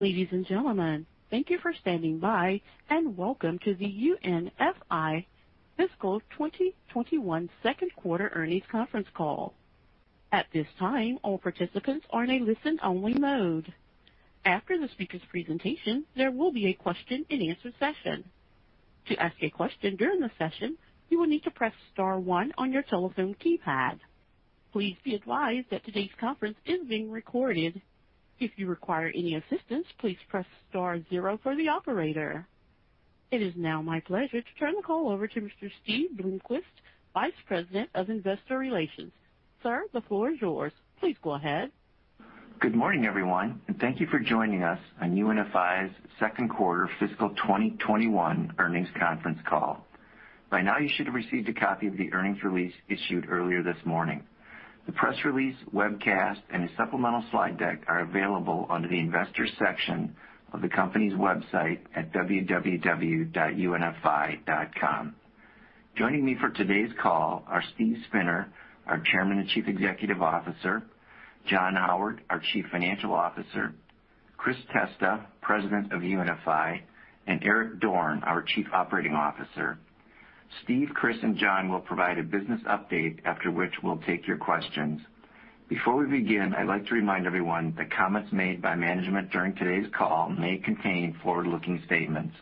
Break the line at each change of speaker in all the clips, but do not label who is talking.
Ladies and gentlemen, thank you for standing by, and welcome to the UNFI fiscal 2021 second quarter earnings conference call. It is now my pleasure to turn the call over to Mr. Steve Bloomquist, Vice President of Investor Relations. Sir, the floor is yours. Please go ahead.
Good morning, everyone, and thank you for joining us on UNFI's second quarter fiscal 2021 earnings conference call. By now, you should have received a copy of the earnings release issued earlier this morning. The press release webcast and a supplemental slide deck are available under the investor section of the company's website at www.unfi.com. Joining me for today's call are Steve Spinner, our Chairman and Chief Executive Officer, John Howard, our Chief Financial Officer, Chris Testa, President of UNFI, and Eric Dorne, our Chief Operating Officer. Steve, Chris, and John will provide a business update, after which we'll take your questions. Before we begin, I'd like to remind everyone that comments made by management during today's call may contain forward-looking statements.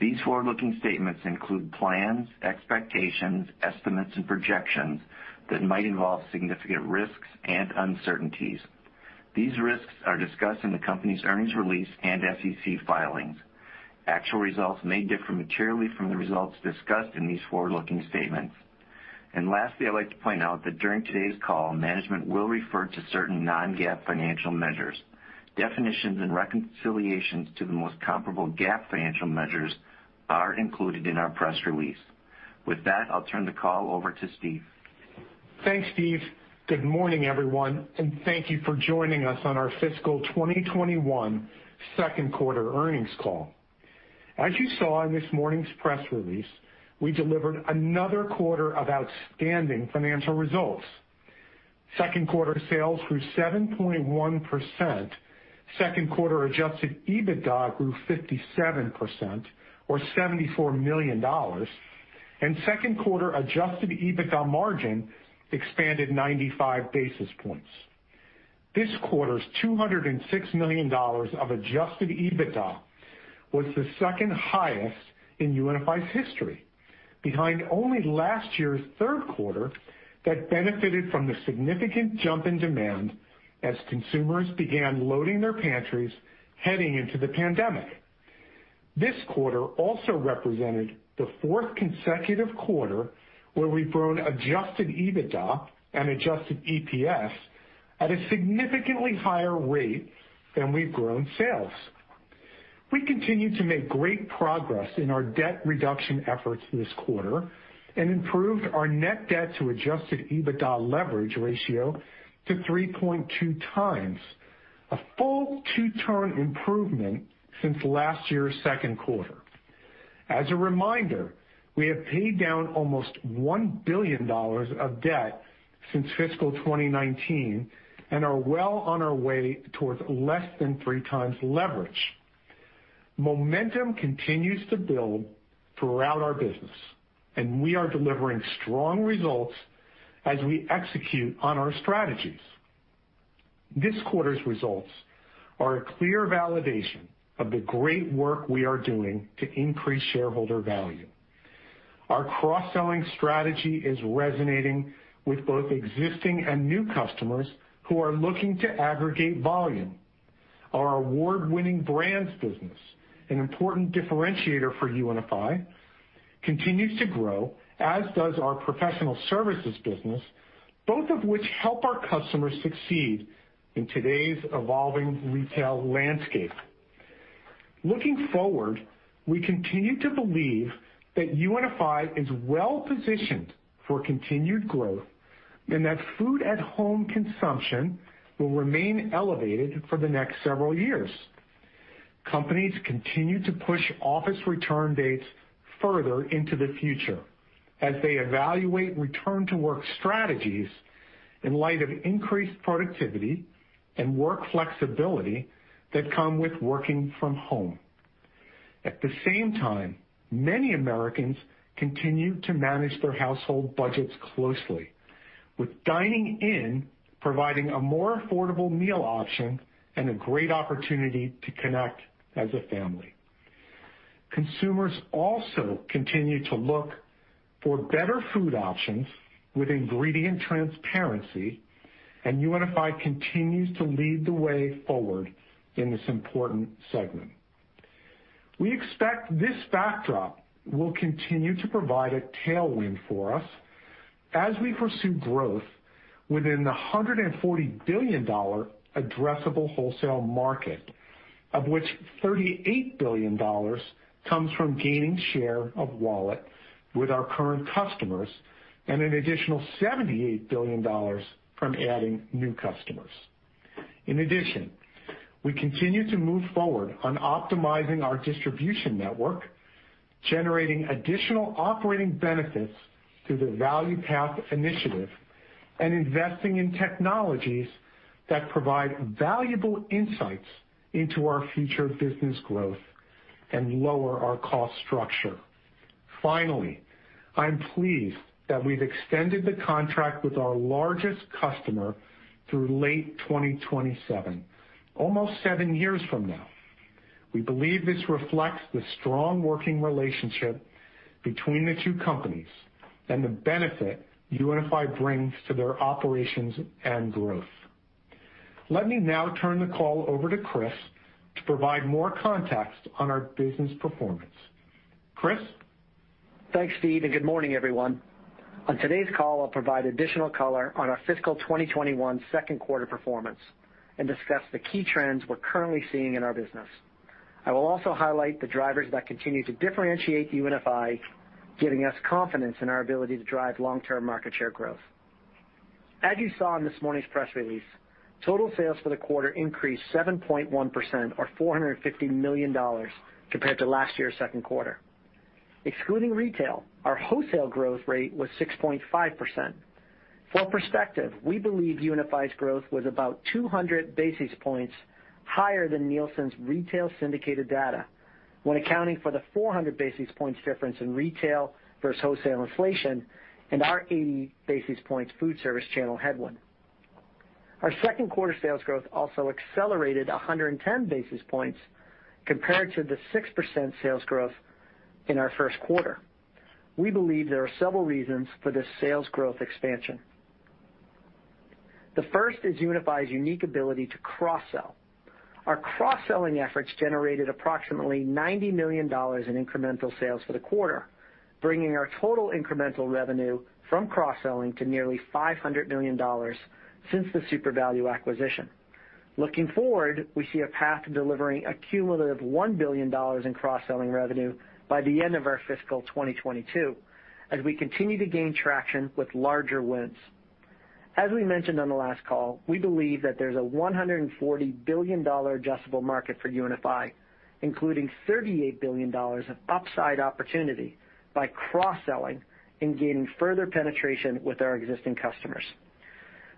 These forward-looking statements include plans, expectations, estimates, and projections that might involve significant risks and uncertainties. These risks are discussed in the company's earnings release and SEC filings. Actual results may differ materially from the results discussed in these forward-looking statements. Lastly, I'd like to point out that during today's call, management will refer to certain non-GAAP financial measures. Definitions and reconciliations to the most comparable GAAP financial measures are included in our press release. With that, I'll turn the call over to Steve.
Thanks, Steve. Good morning, everyone, and thank you for joining us on our fiscal 2021 second quarter earnings call. As you saw in this morning's press release, we delivered another quarter of outstanding financial results. Second quarter sales grew 7.1%, second quarter adjusted EBITDA grew 57%, or $74 million, and second quarter adjusted EBITDA margin expanded 95 basis points. This quarter's $206 million of adjusted EBITDA was the second highest in UNFI's history, behind only last year's third quarter that benefited from the significant jump in demand as consumers began loading their pantries heading into the pandemic. This quarter also represented the fourth consecutive quarter where we've grown adjusted EBITDA and adjusted EPS at a significantly higher rate than we've grown sales. We continue to make great progress in our debt reduction efforts this quarter and improved our net debt to adjusted EBITDA leverage ratio to 3.2 times, a full two-turn improvement since last year's second quarter. As a reminder, we have paid down almost $1 billion of debt since fiscal 2019 and are well on our way towards less than three times leverage. Momentum continues to build throughout our business, and we are delivering strong results as we execute on our strategies. This quarter's results are a clear validation of the great work we are doing to increase shareholder value. Our cross-selling strategy is resonating with both existing and new customers who are looking to aggregate volume. Our award-winning brands business, an important differentiator for UNFI, continues to grow, as does our professional services business, both of which help our customers succeed in today's evolving retail landscape. Looking forward, we continue to believe that UNFI is well-positioned for continued growth and that food-at-home consumption will remain elevated for the next several years. Companies continue to push office return dates further into the future as they evaluate return to work strategies in light of increased productivity and work flexibility that come with working from home. At the same time, many Americans continue to manage their household budgets closely, with dining in providing a more affordable meal option and a great opportunity to connect as a family. Consumers also continue to look for better food options with ingredient transparency, and UNFI continues to lead the way forward in this important segment. We expect this backdrop will continue to provide a tailwind for us as we pursue growth within the $140 billion addressable wholesale market, of which $38 billion comes from gaining share of wallet with our current customers and an additional $78 billion from adding new customers. We continue to move forward on optimizing our distribution network. Generating additional operating benefits through the Value Path initiative and investing in technologies that provide valuable insights into our future business growth and lower our cost structure. I'm pleased that we've extended the contract with our largest customer through late 2027, almost seven years from now. We believe this reflects the strong working relationship between the two companies and the benefit UNFI brings to their operations and growth. Let me now turn the call over to Chris to provide more context on our business performance. Chris?
Thanks, Steve. Good morning, everyone. On today's call, I'll provide additional color on our fiscal 2021 second quarter performance and discuss the key trends we're currently seeing in our business. I will also highlight the drivers that continue to differentiate UNFI, giving us confidence in our ability to drive long-term market share growth. As you saw in this morning's press release, total sales for the quarter increased 7.1%, or $450 million compared to last year's second quarter. Excluding retail, our wholesale growth rate was 6.5%. For perspective, we believe UNFI's growth was about 200 basis points higher than Nielsen's retail syndicated data when accounting for the 400 basis points difference in retail versus wholesale inflation and our 80 basis points food service channel headwind. Our second quarter sales growth also accelerated 110 basis points compared to the 6% sales growth in our first quarter. We believe there are several reasons for this sales growth expansion. The first is UNFI's unique ability to cross-sell. Our cross-selling efforts generated approximately $90 million in incremental sales for the quarter, bringing our total incremental revenue from cross-selling to nearly $500 million since the Supervalu acquisition. Looking forward, we see a path to delivering a cumulative $1 billion in cross-selling revenue by the end of our fiscal 2022 as we continue to gain traction with larger wins. As we mentioned on the last call, we believe that there's a $140 billion addressable market for UNFI, including $38 billion of upside opportunity by cross-selling and gaining further penetration with our existing customers.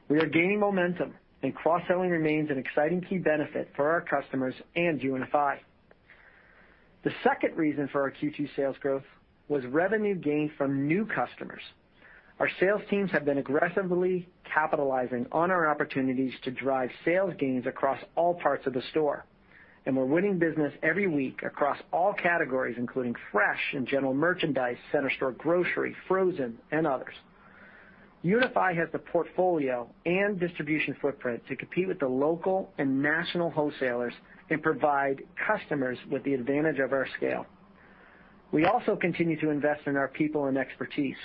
We are gaining momentum, cross-selling remains an exciting key benefit for our customers and UNFI. The second reason for our Q2 sales growth was revenue gained from new customers. Our sales teams have been aggressively capitalizing on our opportunities to drive sales gains across all parts of the store, and we're winning business every week across all categories, including fresh and general merchandise, center store grocery, frozen, and others. UNFI has the portfolio and distribution footprint to compete with the local and national wholesalers and provide customers with the advantage of our scale. We also continue to invest in our people and expertise.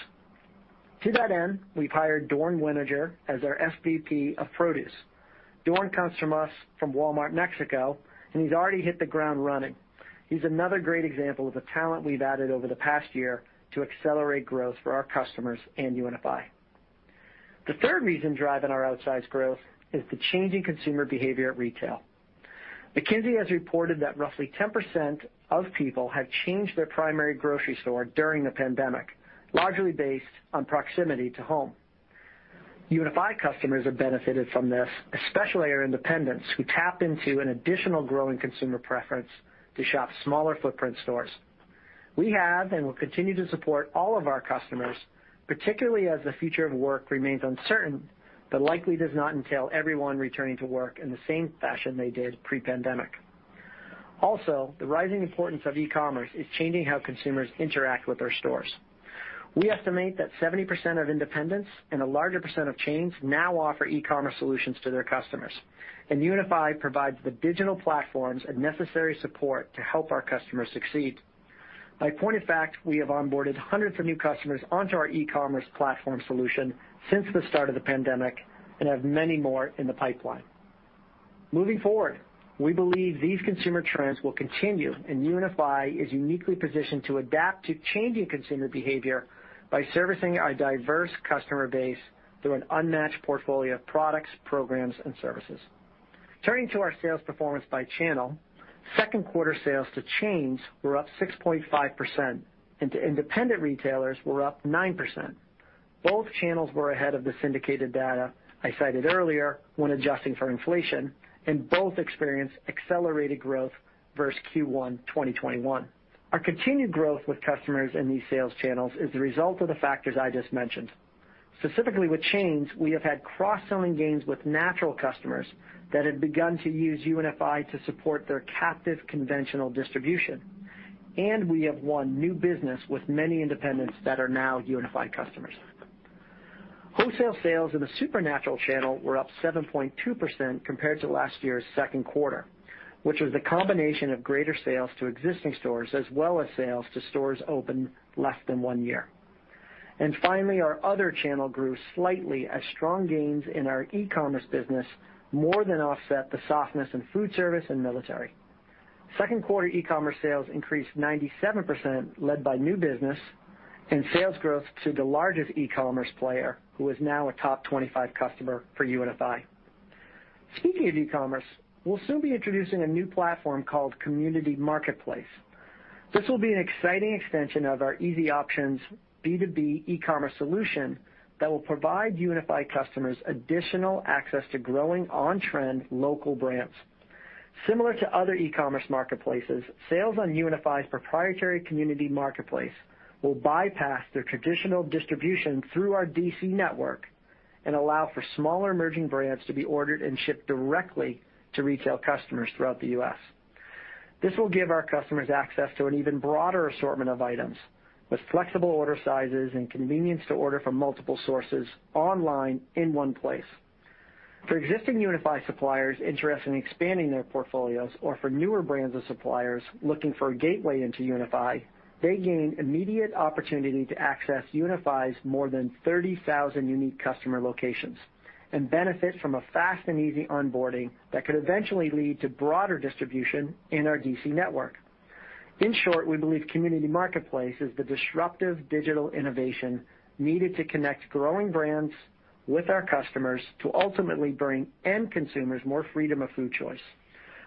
To that end, we've hired Dorn Wenninger as our SVP of Produce. Dorn comes from us from Walmart de México, and he's already hit the ground running. He's another great example of the talent we've added over the past year to accelerate growth for our customers and UNFI. The third reason driving our outsized growth is the changing consumer behavior at retail. McKinsey has reported that roughly 10% of people have changed their primary grocery store during the pandemic, largely based on proximity to home. UNFI customers have benefited from this, especially our independents, who tap into an additional growing consumer preference to shop smaller footprint stores. We have and will continue to support all of our customers, particularly as the future of work remains uncertain, but likely does not entail everyone returning to work in the same fashion they did pre-pandemic. Also, the rising importance of e-commerce is changing how consumers interact with our stores. We estimate that 70% of independents and a larger percent of chains now offer e-commerce solutions to their customers, and UNFI provides the digital platforms and necessary support to help our customers succeed. By point of fact, we have onboarded hundreds of new customers onto our e-commerce platform solution since the start of the pandemic and have many more in the pipeline. Moving forward, we believe these consumer trends will continue, and UNFI is uniquely positioned to adapt to changing consumer behavior by servicing our diverse customer base through an unmatched portfolio of products, programs, and services. Turning to our sales performance by channel, second quarter sales to chains were up 6.5% and to independent retailers were up 9%. Both channels were ahead of the syndicated data I cited earlier when adjusting for inflation, and both experienced accelerated growth versus Q1 2021. Our continued growth with customers in these sales channels is the result of the factors I just mentioned. Specifically with chains, we have had cross-selling gains with natural customers that had begun to use UNFI to support their captive conventional distribution, and we have won new business with many independents that are now UNFI customers. Wholesale sales in the supernatural channel were up 7.2% compared to last year's second quarter, which was a combination of greater sales to existing stores as well as sales to stores open less than one year. Finally, our other channel grew slightly as strong gains in our e-commerce business more than offset the softness in food service and military. Second quarter e-commerce sales increased 97%, led by new business and sales growth to the largest e-commerce player, who is now a top 25 customer for UNFI. Speaking of e-commerce, we'll soon be introducing a new platform called Community Marketplace. This will be an exciting extension of our Easy Options B2B e-commerce solution that will provide UNFI customers additional access to growing on-trend local brands. Similar to other e-commerce marketplaces, sales on UNFI's proprietary Community Marketplace will bypass their traditional distribution through our DC network and allow for smaller emerging brands to be ordered and shipped directly to retail customers throughout the U.S. This will give our customers access to an even broader assortment of items with flexible order sizes and convenience to order from multiple sources online in one place. For existing UNFI suppliers interested in expanding their portfolios or for newer brands or suppliers looking for a gateway into UNFI, they gain immediate opportunity to access UNFI's more than 30,000 unique customer locations and benefit from a fast and easy onboarding that could eventually lead to broader distribution in our DC network. In short, we believe Community Marketplace is the disruptive digital innovation needed to connect growing brands with our customers to ultimately bring end consumers more freedom of food choice.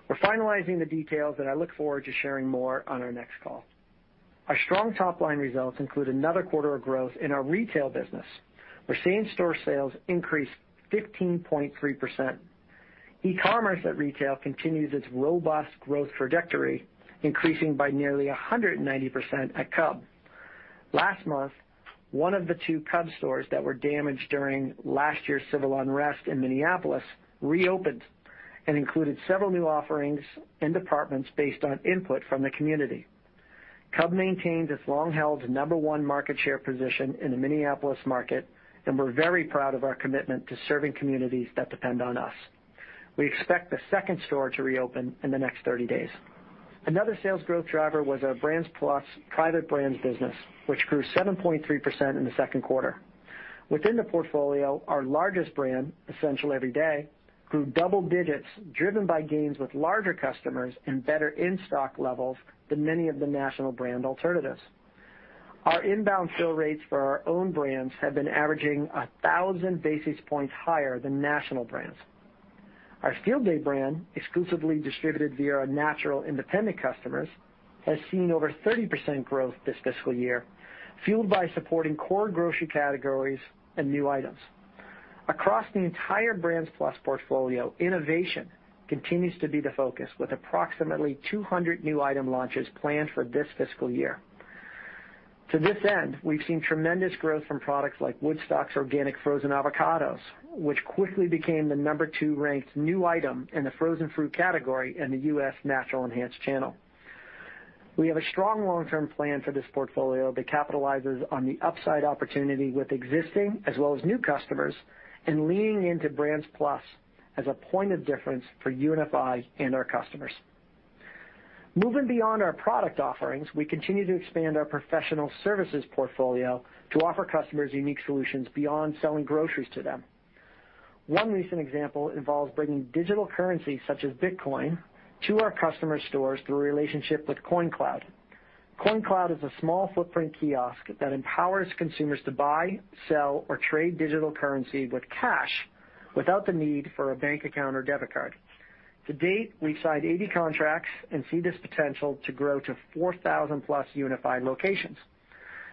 We're finalizing the details, and I look forward to sharing more on our next call. Our strong top-line results include another quarter of growth in our retail business, where same-store sales increased 15.3%. E-commerce at retail continues its robust growth trajectory, increasing by nearly 190% at Cub. Last month, one of the two Cub stores that were damaged during last year's civil unrest in Minneapolis reopened and included several new offerings and departments based on input from the community. Cub maintains its long-held number one market share position in the Minneapolis market, and we're very proud of our commitment to serving communities that depend on us. We expect the second store to reopen in the next 30 days. Another sales growth driver was our Brands Plus private brands business, which grew 7.3% in the second quarter. Within the portfolio, our largest brand, Essential Everyday, grew double-digits, driven by gains with larger customers and better in-stock levels than many of the national brand alternatives. Our inbound fill rates for our own brands have been averaging 1,000 basis points higher than national brands. Our Field Day brand, exclusively distributed via our natural independent customers, has seen over 30% growth this fiscal year, fueled by supporting core grocery categories and new items. Across the entire Brands Plus portfolio, innovation continues to be the focus, with approximately 200 new item launches planned for this fiscal year. To this end, we've seen tremendous growth from products like Woodstock's Organic Frozen Avocados, which quickly became the number two ranked new item in the frozen fruit category in the U.S. natural enhanced channel. We have a strong long-term plan for this portfolio that capitalizes on the upside opportunity with existing as well as new customers and leaning into Brands Plus as a point of difference for UNFI and our customers. Moving beyond our product offerings, we continue to expand our professional services portfolio to offer customers unique solutions beyond selling groceries to them. One recent example involves bringing digital currency, such as Bitcoin, to our customer stores through a relationship with Coin Cloud. Coin Cloud is a small footprint kiosk that empowers consumers to buy, sell, or trade digital currency with cash without the need for a bank account or debit card. To date, we've signed 80 contracts and see this potential to grow to 4,000+ UNFI locations.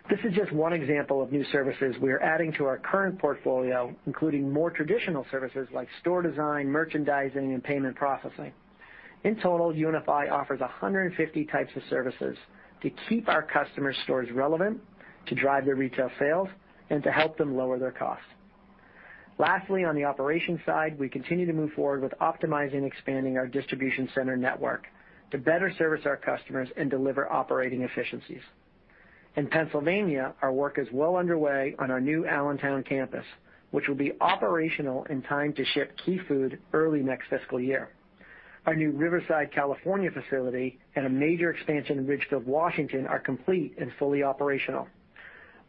This is just one example of new services we are adding to our current portfolio, including more traditional services like store design, merchandising, and payment processing. In total, UNFI offers 150 types of services to keep our customers' stores relevant, to drive their retail sales, and to help them lower their costs. Lastly, on the operations side, we continue to move forward with optimizing expanding our distribution center network to better service our customers and deliver operating efficiencies. In Pennsylvania, our work is well underway on our new Allentown campus, which will be operational in time to ship Key Food early next fiscal year. Our new Riverside, California, facility and a major expansion in Ridgefield, Washington, are complete and fully operational.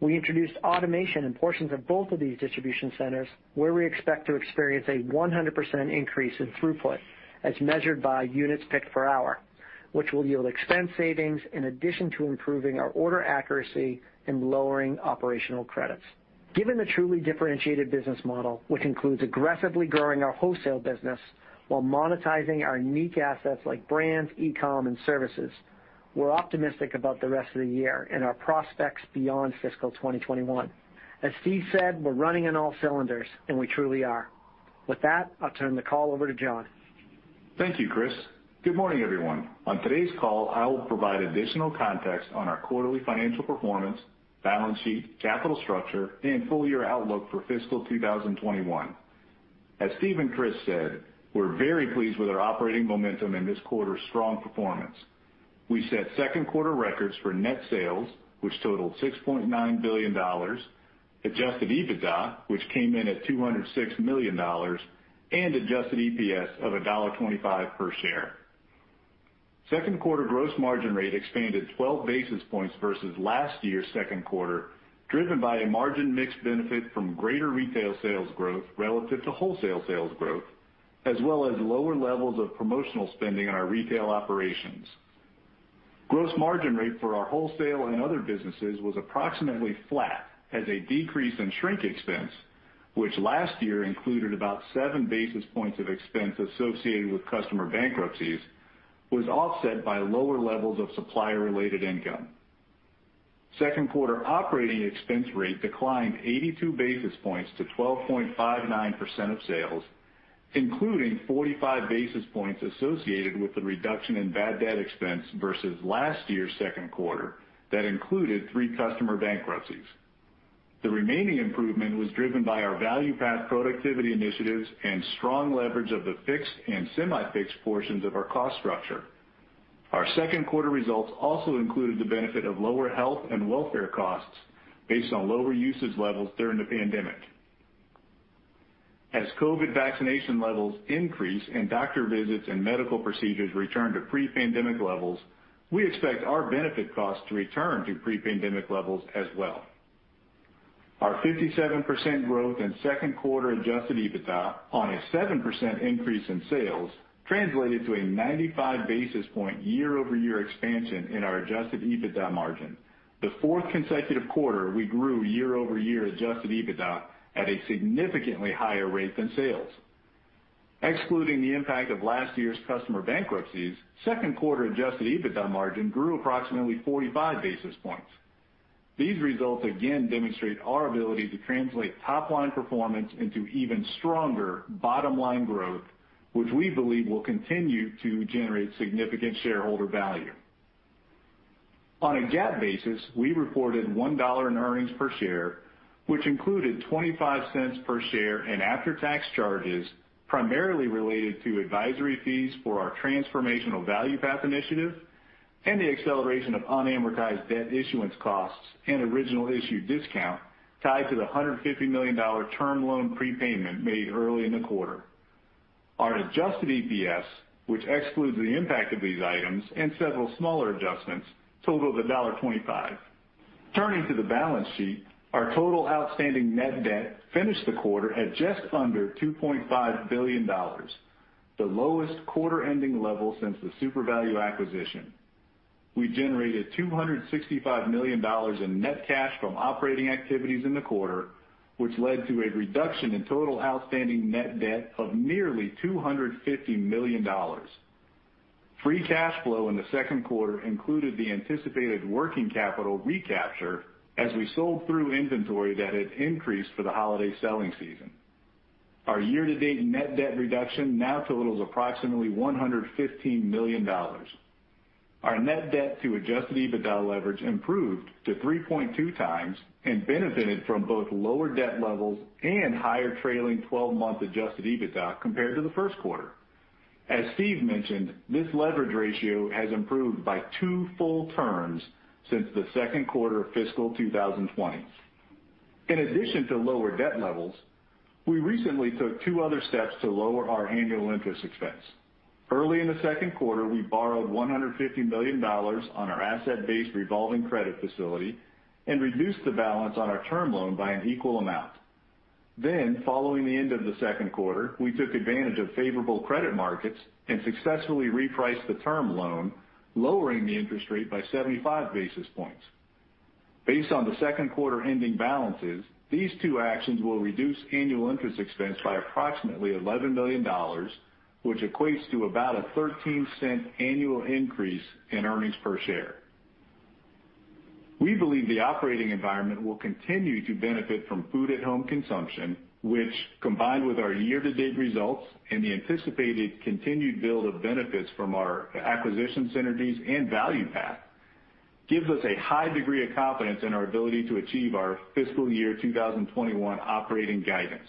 We introduced automation in portions of both of these distribution centers, where we expect to experience a 100% increase in throughput as measured by units picked per hour, which will yield expense savings in addition to improving our order accuracy and lowering operational credits. Given the truly differentiated business model, which includes aggressively growing our wholesale business while monetizing our unique assets like brands, e-com, and services, we're optimistic about the rest of the year and our prospects beyond fiscal 2021. As Steve said, we're running on all cylinders. We truly are. With that, I'll turn the call over to John.
Thank you, Chris. Good morning, everyone. On today's call, I will provide additional context on our quarterly financial performance, balance sheet, capital structure, and full-year outlook for fiscal 2021. As Steve and Chris said, we're very pleased with our operating momentum and this quarter's strong performance. We set second quarter records for net sales, which totaled $6.9 billion, adjusted EBITDA, which came in at $206 million, and adjusted EPS of $1.25 per share. Second quarter gross margin rate expanded 12 basis points versus last year's second quarter, driven by a margin mix benefit from greater retail sales growth relative to wholesale sales growth, as well as lower levels of promotional spending on our retail operations. Gross margin rate for our wholesale and other businesses was approximately flat as a decrease in shrink expense, which last year included about seven basis points of expense associated with customer bankruptcies, was offset by lower levels of supplier-related income. Second quarter operating expense rate declined 82 basis points to 12.59% of sales, including 45 basis points associated with the reduction in bad debt expense versus last year's second quarter that included three customer bankruptcies. The remaining improvement was driven by our Value Path productivity initiatives and strong leverage of the fixed and semi-fixed portions of our cost structure. Our second quarter results also included the benefit of lower health and welfare costs based on lower usage levels during the pandemic. As COVID vaccination levels increase and doctor visits and medical procedures return to pre-pandemic levels, we expect our benefit costs to return to pre-pandemic levels as well. Our 57% growth in second quarter adjusted EBITDA on a 7% increase in sales translated to a 95 basis point year-over-year expansion in our adjusted EBITDA margin, the fourth consecutive quarter we grew year-over-year adjusted EBITDA at a significantly higher rate than sales. Excluding the impact of last year's customer bankruptcies, second quarter adjusted EBITDA margin grew approximately 45 basis points. These results again demonstrate our ability to translate top-line performance into even stronger bottom-line growth, which we believe will continue to generate significant shareholder value. On a GAAP basis, we reported $1 in earnings per share, which included $0.25 per share in after-tax charges primarily related to advisory fees for our transformational Value Path initiative and the acceleration of unamortized debt issuance costs and original issue discount tied to the $150 million term loan prepayment made early in the quarter. Our adjusted EPS, which excludes the impact of these items and several smaller adjustments, totaled $1.25. Turning to the balance sheet, our total outstanding net debt finished the quarter at just under $2.5 billion, the lowest quarter-ending level since the Supervalu acquisition. We generated $265 million in net cash from operating activities in the quarter, which led to a reduction in total outstanding net debt of nearly $250 million. Free cash flow in the second quarter included the anticipated working capital recapture as we sold through inventory that had increased for the holiday selling season. Our year-to-date net debt reduction now totals approximately $115 million. Our net debt to adjusted EBITDA leverage improved to 3.2 times and benefited from both lower debt levels and higher trailing 12-month adjusted EBITDA compared to the first quarter. As Steve mentioned, this leverage ratio has improved by two full turns since the second quarter of fiscal 2020. In addition to lower debt levels, we recently took two other steps to lower our annual interest expense. Early in the second quarter, we borrowed $150 million on our asset-based revolving credit facility and reduced the balance on our term loan by an equal amount. Following the end of the second quarter, we took advantage of favorable credit markets and successfully repriced the term loan, lowering the interest rate by 75 basis points. Based on the second quarter ending balances, these two actions will reduce annual interest expense by approximately $11 million, which equates to about a $0.13 annual increase in earnings per share. We believe the operating environment will continue to benefit from food at home consumption, which, combined with our year-to-date results and the anticipated continued build of benefits from our acquisition synergies and Value Path, gives us a high degree of confidence in our ability to achieve our fiscal year 2021 operating guidance.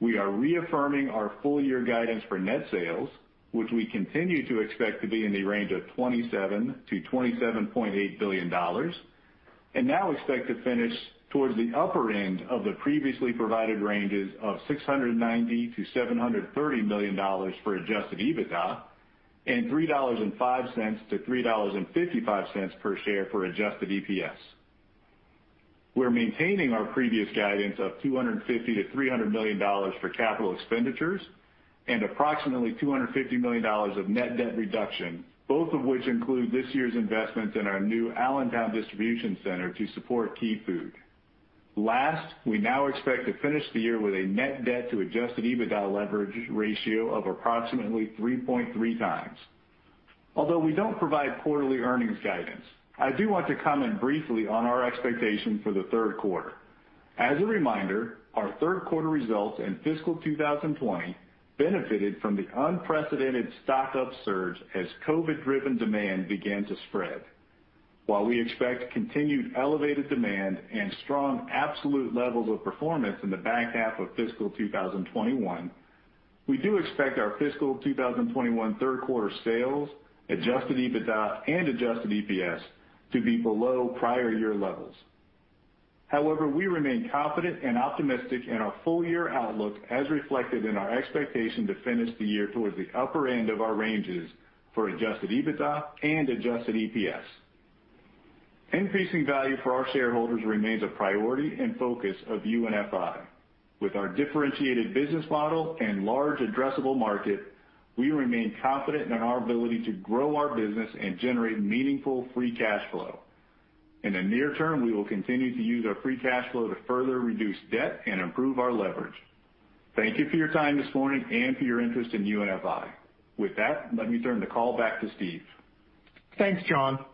We are reaffirming our full-year guidance for net sales, which we continue to expect to be in the range of $27 billion-$27.8 billion, and now expect to finish towards the upper end of the previously provided ranges of $690 million-$730 million for adjusted EBITDA and $3.05-$3.55 per share for adjusted EPS. We're maintaining our previous guidance of $250 million-$300 million for capital expenditures and approximately $250 million of net debt reduction, both of which include this year's investments in our new Allentown distribution center to support Key Food. Last, we now expect to finish the year with a net debt to adjusted EBITDA leverage ratio of approximately 3.3 times. Although we don't provide quarterly earnings guidance, I do want to comment briefly on our expectation for the third quarter. As a reminder, our third quarter results in fiscal 2020 benefited from the unprecedented stock-up surge as COVID-driven demand began to spread. While we expect continued elevated demand and strong absolute levels of performance in the back half of fiscal 2021, we do expect our fiscal 2021 third quarter sales, adjusted EBITDA, and adjusted EPS to be below prior year levels. However, we remain confident and optimistic in our full year outlook as reflected in our expectation to finish the year towards the upper end of our ranges for adjusted EBITDA and adjusted EPS. Increasing value for our shareholders remains a priority and focus of UNFI. With our differentiated business model and large addressable market, we remain confident in our ability to grow our business and generate meaningful free cash flow. In the near term, we will continue to use our free cash flow to further reduce debt and improve our leverage. Thank you for your time this morning and for your interest in UNFI. With that, let me turn the call back to Steve.
Thanks, John.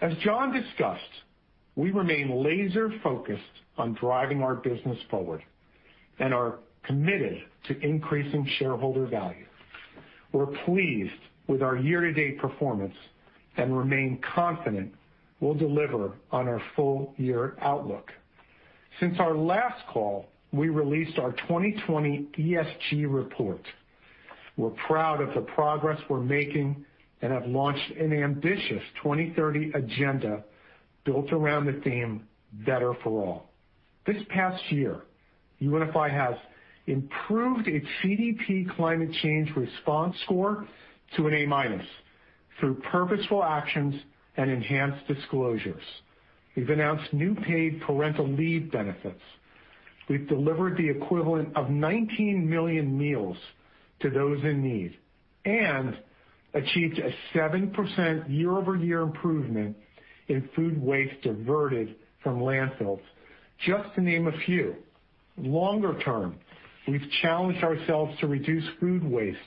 As John discussed, we remain laser focused on driving our business forward and are committed to increasing shareholder value. We're pleased with our year-to-date performance and remain confident we'll deliver on our full-year outlook. Since our last call, we released our 2020 ESG report. We're proud of the progress we're making and have launched an ambitious 2030 agenda built around the theme, Better for All. This past year, UNFI has improved its CDP climate change response score to an A minus through purposeful actions and enhanced disclosures. We've announced new paid parental leave benefits. We've delivered the equivalent of 19 million meals to those in need and achieved a 7% year-over-year improvement in food waste diverted from landfills, just to name a few. Longer term, we've challenged ourselves to reduce food waste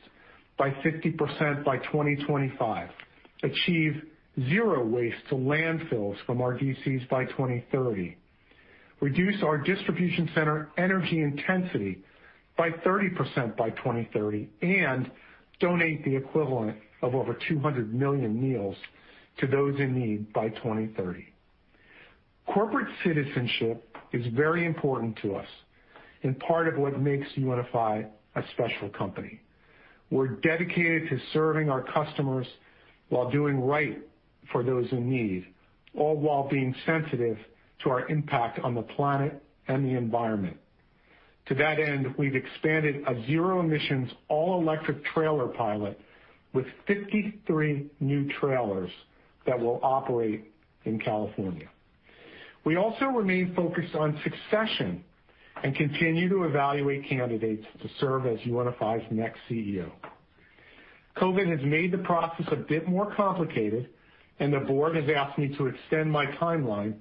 by 50% by 2025, achieve zero waste to landfills from our DCs by 2030, reduce our distribution center energy intensity by 30% by 2030, and donate the equivalent of over 200 million meals to those in need by 2030. Corporate citizenship is very important to us and part of what makes UNFI a special company. We're dedicated to serving our customers while doing right for those in need, all while being sensitive to our impact on the planet and the environment. To that end, we've expanded a zero emissions, all electric trailer pilot with 53 new trailers that will operate in California. We also remain focused on succession and continue to evaluate candidates to serve as UNFI's next CEO. COVID has made the process a bit more complicated. The board has asked me to extend my timeline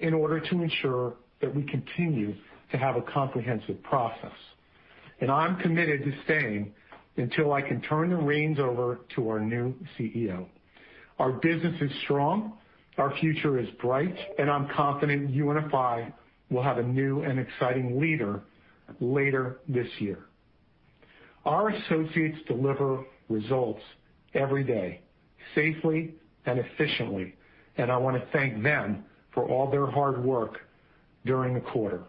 in order to ensure that we continue to have a comprehensive process. I'm committed to staying until I can turn the reins over to our new CEO. Our business is strong, our future is bright, and I'm confident UNFI will have a new and exciting leader later this year. Our associates deliver results every day, safely and efficiently, and I want to thank them for all their hard work during the quarter.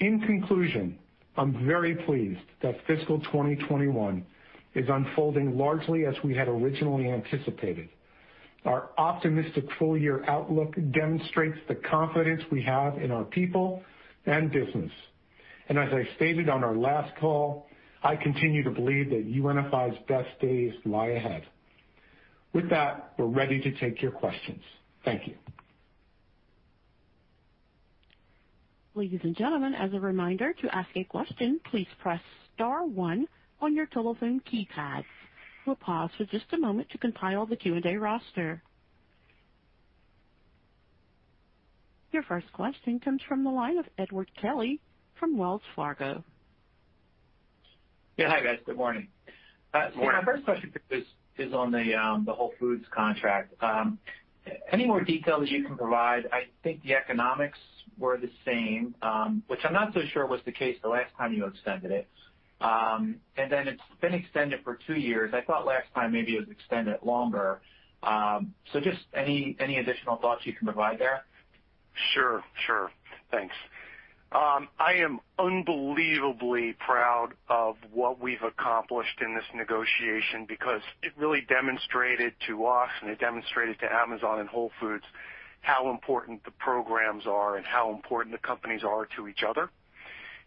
In conclusion, I'm very pleased that fiscal 2021 is unfolding largely as we had originally anticipated. Our optimistic full year outlook demonstrates the confidence we have in our people and business. As I stated on our last call, I continue to believe that UNFI's best days lie ahead. With that, we're ready to take your questions. Thank you.
Ladies and gentlemen, as a reminder, to ask a question, please press star one on your telephone keypad. We will pause for just a moment to compile the Q&A roster. Your first question comes from the line of Edward Kelly from Wells Fargo.
Yeah. Hi, guys. Good morning.
Morning.
My first question is on the Whole Foods contract. Any more detail that you can provide? I think the economics were the same, which I'm not so sure was the case the last time you extended it. It's been extended for two years. I thought last time maybe it was extended longer. Just any additional thoughts you can provide there?
Sure. Thanks. I am unbelievably proud of what we've accomplished in this negotiation because it really demonstrated to us, and it demonstrated to Amazon and Whole Foods, how important the programs are and how important the companies are to each other.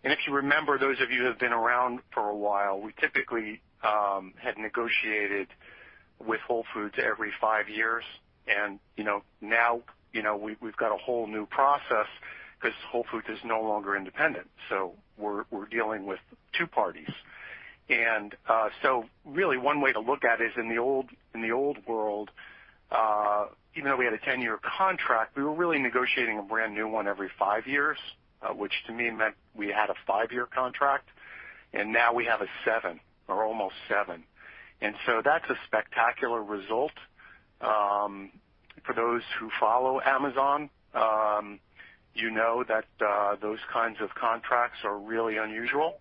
If you remember, those of you who have been around for a while, we typically had negotiated with Whole Foods every five years. Now, we've got a whole new process because Whole Foods is no longer independent. We're dealing with two parties. Really one way to look at it is, in the old world, even though we had a 10-year contract, we were really negotiating a brand new one every five years, which to me meant we had a five-year contract, and now we have a seven, or almost seven. That's a spectacular result. For those who follow Amazon, you know that those kinds of contracts are really unusual.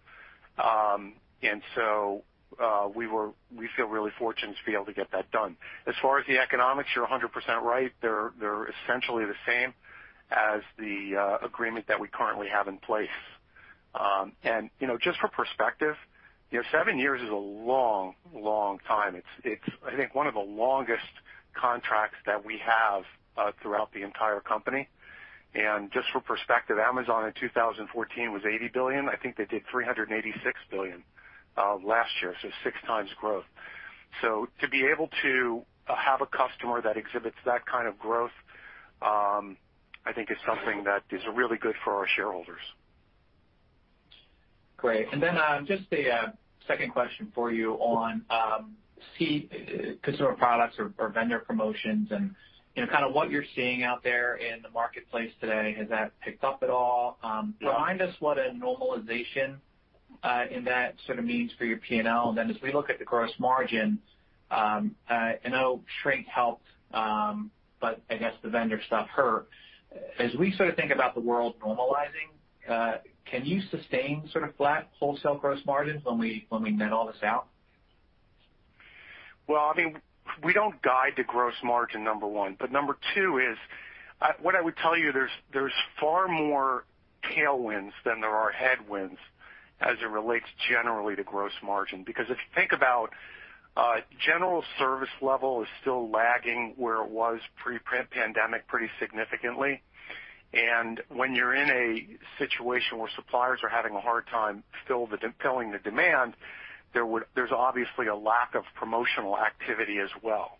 We feel really fortunate to be able to get that done. As far as the economics, you're 100% right. They're essentially the same as the agreement that we currently have in place. Just for perspective, seven years is a long time. It's, I think, one of the longest contracts that we have throughout the entire company. Just for perspective, Amazon in 2014 was $80 billion. I think they did $386 billion last year, six times growth. To be able to have a customer that exhibits that kind of growth, I think is something that is really good for our shareholders.
Great. Just a second question for you on consumer products or vendor promotions and kind of what you're seeing out there in the marketplace today. Has that picked up at all? Remind us what a normalization in that sort of means for your P&L. As we look at the gross margin, I know shrink helped, but I guess the vendor stuff hurt. As we sort of think about the world normalizing, can you sustain sort of flat wholesale gross margins when we net all this out?
Well, I mean, we don't guide to gross margin, number one. Number two is, what I would tell you, there's far more tailwinds than there are headwinds as it relates generally to gross margin. If you think about general service level is still lagging where it was pre-pandemic pretty significantly. When you're in a situation where suppliers are having a hard time filling the demand, there's obviously a lack of promotional activity as well.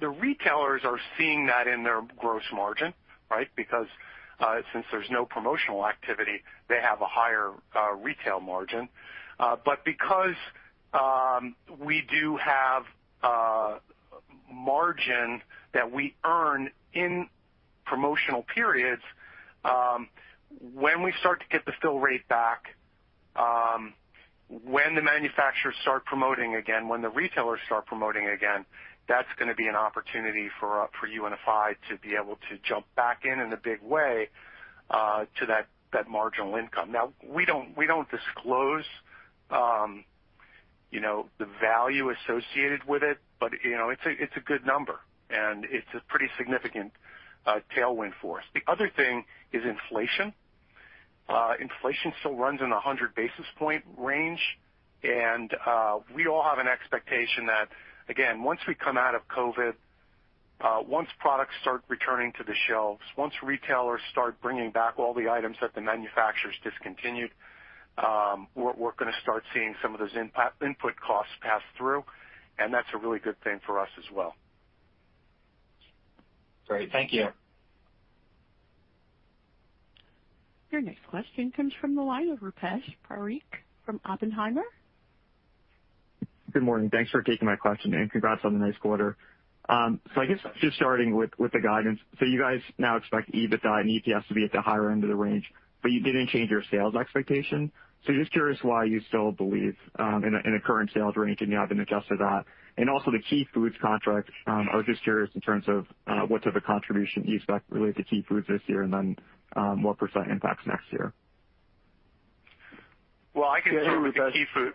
The retailers are seeing that in their gross margin, right? Since there's no promotional activity, they have a higher retail margin. Because we do have margin that we earn in promotional periods, when we start to get the fill rate back, when the manufacturers start promoting again, when the retailers start promoting again, that's going to be an opportunity for UNFI to be able to jump back in in a big way to that marginal income. We don't disclose the value associated with it, but it's a good number and it's a pretty significant tailwind for us. The other thing is inflation. Inflation still runs in the 100 basis point range, and we all have an expectation that, again, once we come out of COVID, once products start returning to the shelves, once retailers start bringing back all the items that the manufacturers discontinued, we're going to start seeing some of those input costs pass through, and that's a really good thing for us as well.
Great. Thank you.
Your next question comes from the line of Rupesh Parikh from Oppenheimer.
Good morning. Thanks for taking my question and congrats on the nice quarter. I guess just starting with the guidance. You guys now expect EBITDA and EPS to be at the higher end of the range, but you didn't change your sales expectation. Just curious why you still believe in a current sales range and you haven't adjusted that. Also the Key Food contract, I was just curious in terms of what type of contribution you expect related to Key Food this year and then what percent impacts next year?
Well, I can start with the Key Food.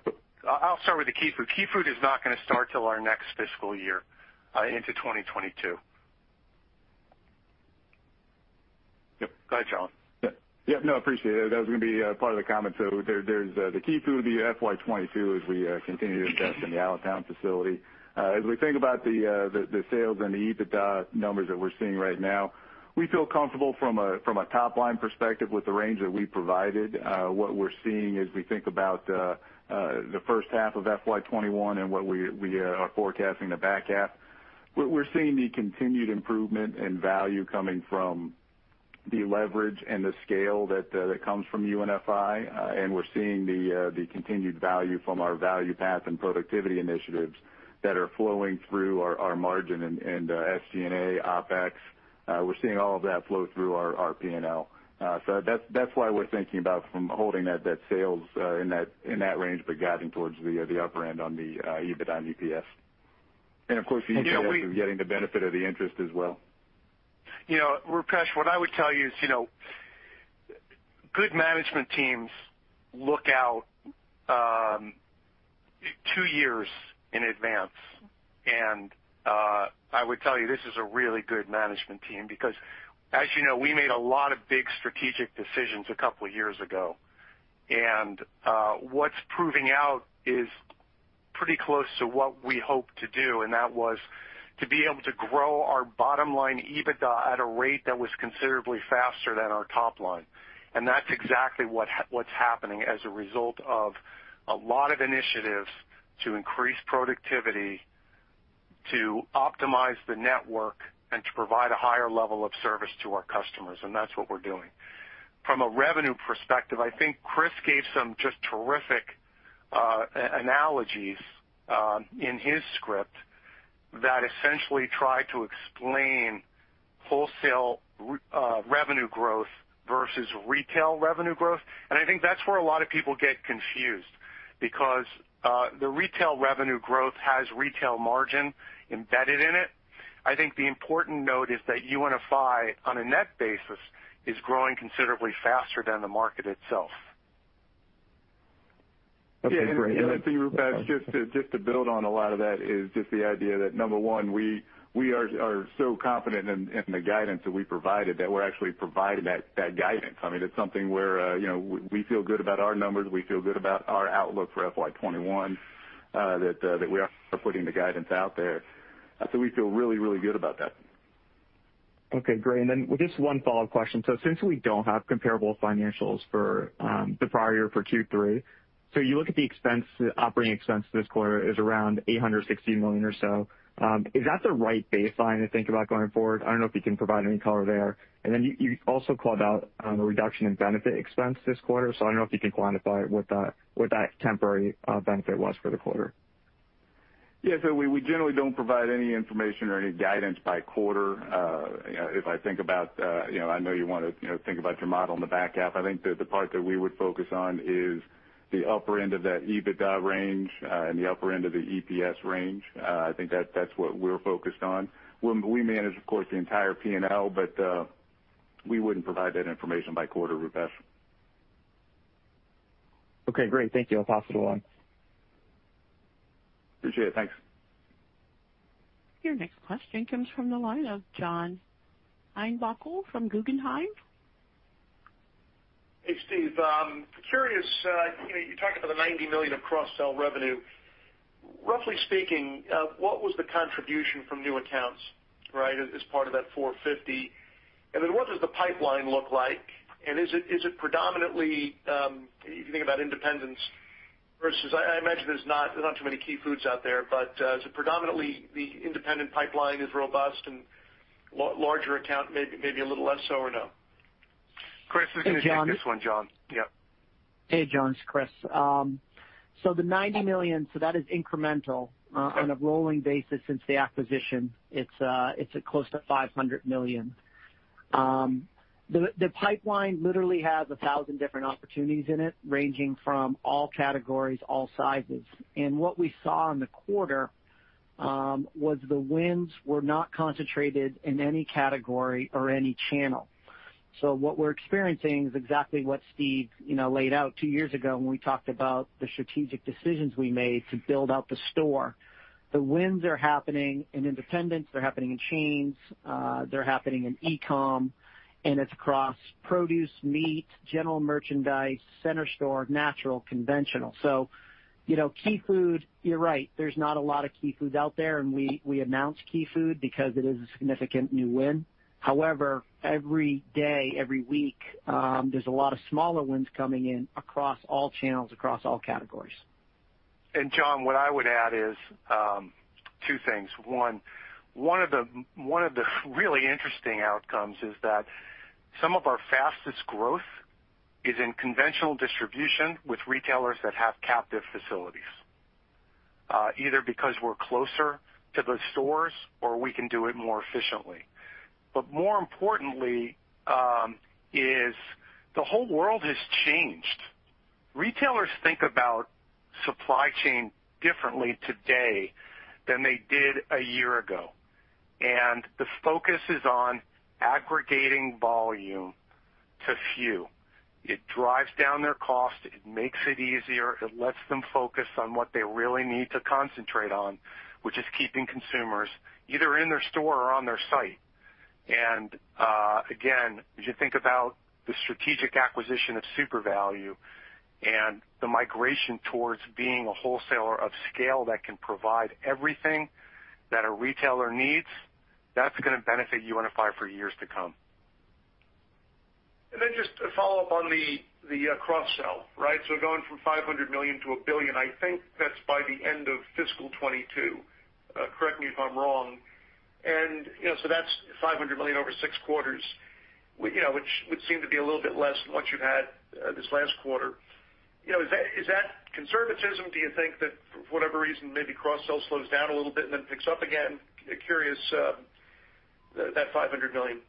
I'll start with the Key Food. Key Food is not gonna start till our next fiscal year into 2022. Yep. Go ahead, John.
Yep. No, appreciate it. That was gonna be part of the comment. There's the Key Food, the FY 2022 as we continue to invest in the Allentown facility. As we think about the sales and the EBITDA numbers that we're seeing right now, we feel comfortable from a top-line perspective with the range that we provided. What we're seeing as we think about the first half of FY 2021 and what we are forecasting the back half, we're seeing the continued improvement and value coming from the leverage and the scale that comes from UNFI. We're seeing the continued value from our Value Path and productivity initiatives that are flowing through our margin and SG&A, OpEx. We're seeing all of that flow through our P&L. That's why we're thinking about from holding that sales in that range, but guiding towards the upper-end on the EBITDA and EPS. Of course, the EBITDA is getting the benefit of the interest as well.
Rupesh, what I would tell you is good management teams look out two years in advance. I would tell you, this is a really good management team because as you know, we made a lot of big strategic decisions a couple of years ago. What's proving out is pretty close to what we hoped to do, and that was to be able to grow our bottom line EBITDA at a rate that was considerably faster than our top line. That's exactly what's happening as a result of a lot of initiatives to increase productivity, to optimize the network, and to provide a higher level of service to our customers. That's what we're doing. From a revenue perspective, I think Chris gave some just terrific analogies in his script that essentially tried to explain wholesale revenue growth versus retail revenue growth. I think that's where a lot of people get confused because the retail revenue growth has retail margin embedded in it. I think the important note is that UNFI, on a net basis, is growing considerably faster than the market itself.
Yeah. I think, Rupesh, just to build on a lot of that is just the idea that, number one, we are so confident in the guidance that we provided that we're actually providing that guidance. I mean, it's something where we feel good about our numbers, we feel good about our outlook for FY 2021, that we are putting the guidance out there. We feel really good about that.
Okay, great. Just one follow-up question. Since we don't have comparable financials for the prior year for Q3, you look at the operating expense this quarter is around $860 million or so. Is that the right baseline to think about going forward? I don't know if you can provide any color there. You also called out a reduction in benefit expense this quarter, I don't know if you can quantify what that temporary benefit was for the quarter.
Yeah. We generally don't provide any information or any guidance by quarter. I know you want to think about your model in the back half. I think that the part that we would focus on is the upper-end of that EBITDA range and the upper-end of the EPS range. I think that's what we're focused on. We manage, of course, the entire P&L, but we wouldn't provide that information by quarter, Rupesh.
Okay, great. Thank you. I'll pass it along.
Appreciate it. Thanks.
Your next question comes from the line of John Heinbockel from Guggenheim.
Hey, Steve. Curious, you talked about the $90 million of cross-sell revenue. Roughly speaking, what was the contribution from new accounts as part of that $450 million? Then what does the pipeline look like? Is it predominantly, if you think about independents versus, I imagine there's not too many Key Food out there, is it predominantly the independent pipeline is robust and larger account, maybe a little less so, or no?
Chris is going to take this one, John. Yep.
Hey, John, it's Chris. The $90 million, that is incremental on a rolling basis since the acquisition. It's close to $500 million. The pipeline literally has 1,000 different opportunities in it, ranging from all categories, all sizes. What we saw in the quarter was the wins were not concentrated in any category or any channel. What we're experiencing is exactly what Steve laid out two years ago when we talked about the strategic decisions we made to build out the store. The wins are happening in independents, they're happening in chains, they're happening in e-com, and it's across produce, meat, general merchandise, center store, natural, conventional. Key Food, you're right, there's not a lot of Key Foods out there, and we announced Key Food because it is a significant new win. Every day, every week, there's a lot of smaller wins coming in across all channels, across all categories.
John, what I would add is two things. One, one of the really interesting outcomes is that some of our fastest growth is in conventional distribution with retailers that have captive facilities, either because we're closer to the stores or we can do it more efficiently. More importantly, is the whole world has changed. Retailers think about supply chain differently today than they did a year ago, and the focus is on aggregating volume to few. It drives down their cost. It makes it easier. It lets them focus on what they really need to concentrate on, which is keeping consumers either in their store or on their site. Again, as you think about the strategic acquisition of Supervalu and the migration towards being a wholesaler of scale that can provide everything that a retailer needs, that's going to benefit UNFI for years to come.
Just to follow up on the cross-sell. Going from $500 million to $1 billion, I think that's by the end of fiscal 2022. Correct me if I'm wrong. That's $500 million over six quarters, which would seem to be a little bit less than what you had this last quarter. Is that conservatism? Do you think that for whatever reason, maybe cross-sell slows down a little bit and then picks up again? Curious, that $500 million.